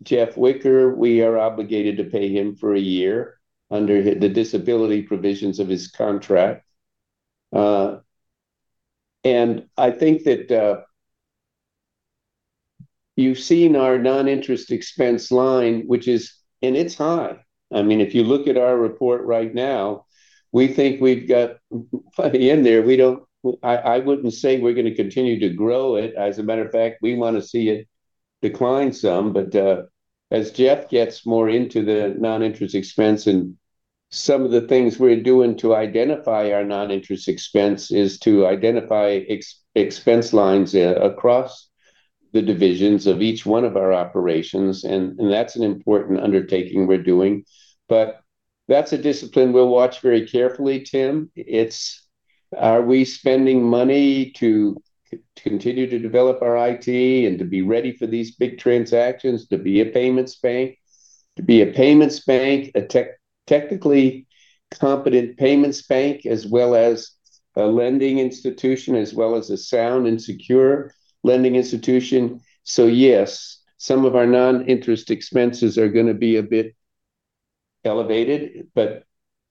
Jeff Whicker, we are obligated to pay him for a year under the disability provisions of his contract. I think that you've seen our non-interest expense line, and it's high. If you look at our report right now, we think we've got plenty in there. I wouldn't say we're going to continue to grow it. As a matter of fact, we want to see it decline some. As Jeff gets more into the non-interest expense and some of the things we're doing to identify our non-interest expense is to identify expense lines across the divisions of each one of our operations, and that's an important undertaking we're doing. That's a discipline we'll watch very carefully, Tim. It's are we spending money to continue to develop our IT and to be ready for these big transactions to be a payments bank, to be a technically competent payments bank as well as a lending institution, as well as a sound and secure lending institution. Yes, some of our non-interest expenses are going to be a bit elevated,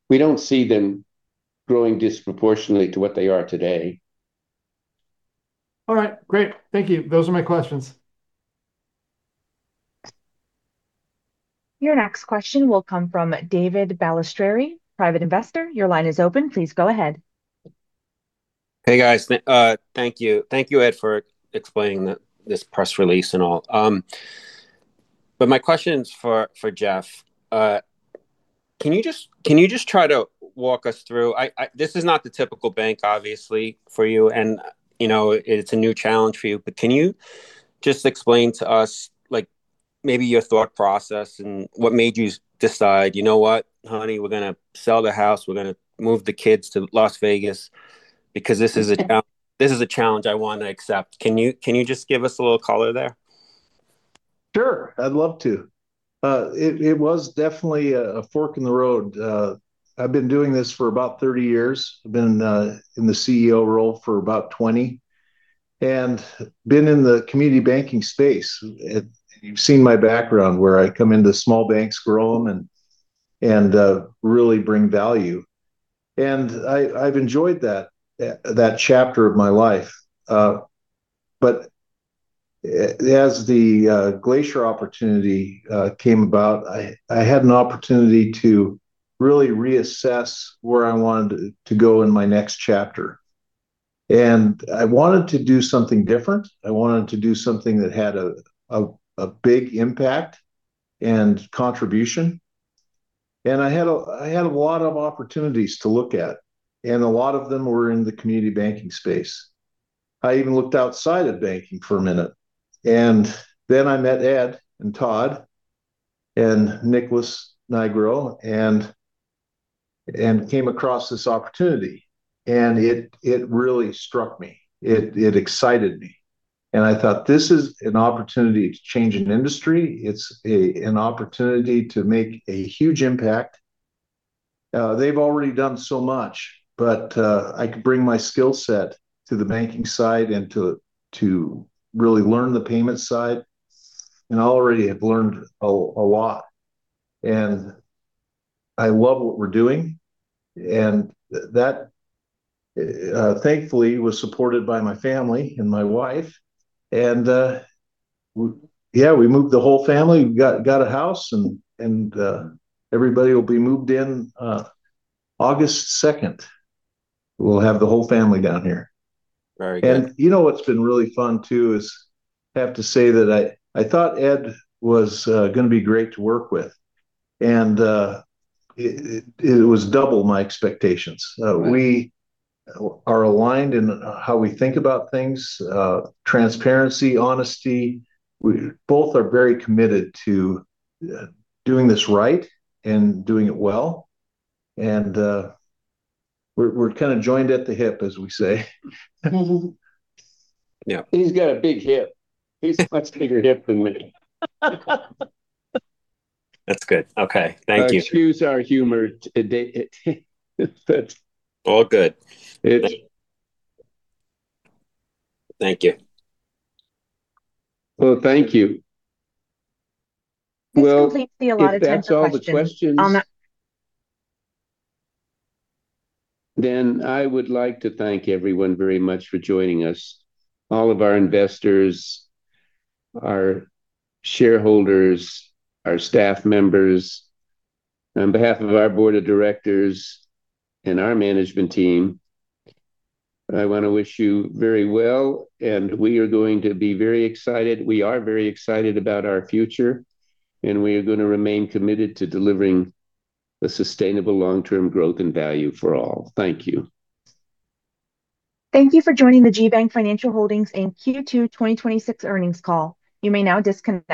we don't see them growing disproportionately to what they are today. All right. Great. Thank you. Those are my questions. Your next question will come from David Balestra, private investor. Your line is open. Please go ahead. Hey, guys. Thank you, Ed, for explaining this press release and all. My question's for Jeff. Can you just try to walk us through, this is not the typical bank, obviously, for you, and it's a new challenge for you. Can you just explain to us maybe your thought process and what made you decide, "You know what, honey, we're going to sell the house, we're going to move the kids to Las Vegas because this is a challenge I want to accept." Can you just give us a little color there? Sure. I'd love to. It was definitely a fork in the road. I've been doing this for about 30 years. I've been in the CEO role for about 20. Been in the community banking space. You've seen my background, where I come into small banks, grow them, and really bring value. I've enjoyed that chapter of my life. As the Glacier opportunity came about, I had an opportunity to really reassess where I wanted to go in my next chapter. I wanted to do something different. I wanted to do something that had a big impact and contribution. I had a lot of opportunities to look at, and a lot of them were in the community banking space. I even looked outside of banking for a minute. Then I met Ed and Todd, and Nicholas Nigro, and came across this opportunity. It really struck me. It excited me. I thought, this is an opportunity to change an industry. It's an opportunity to make a huge impact. They've already done so much. I could bring my skill set to the banking side and to really learn the payment side. Already I've learned a lot. I love what we're doing, and that, thankfully, was supported by my family and my wife. Yeah, we moved the whole family. We got a house and everybody will be moved in August 2nd. We'll have the whole family down here. Very good. You know what's been really fun too is, I have to say that I thought Ed was going to be great to work with. It was double my expectations. Right. We are aligned in how we think about things, transparency, honesty. We both are very committed to doing this right and doing it well. We're kind of joined at the hip, as we say. Yeah. He's got a big hip. He's a much bigger hip than me. That's good. Okay. Thank you. Excuse our humor today. All good. It. Thank you. Well, thank you. This completes the allotted time for questions. Well, if that's all the questions. On that. I would like to thank everyone very much for joining us, all of our investors, our shareholders, our staff members. On behalf of our board of directors and our management team, I want to wish you very well, and we are going to be very excited. We are very excited about our future, and we are going to remain committed to delivering the sustainable long-term growth and value for all. Thank you. Thank you for joining the GBank Financial Holdings and Q2 2026 earnings call. You may now disconnect.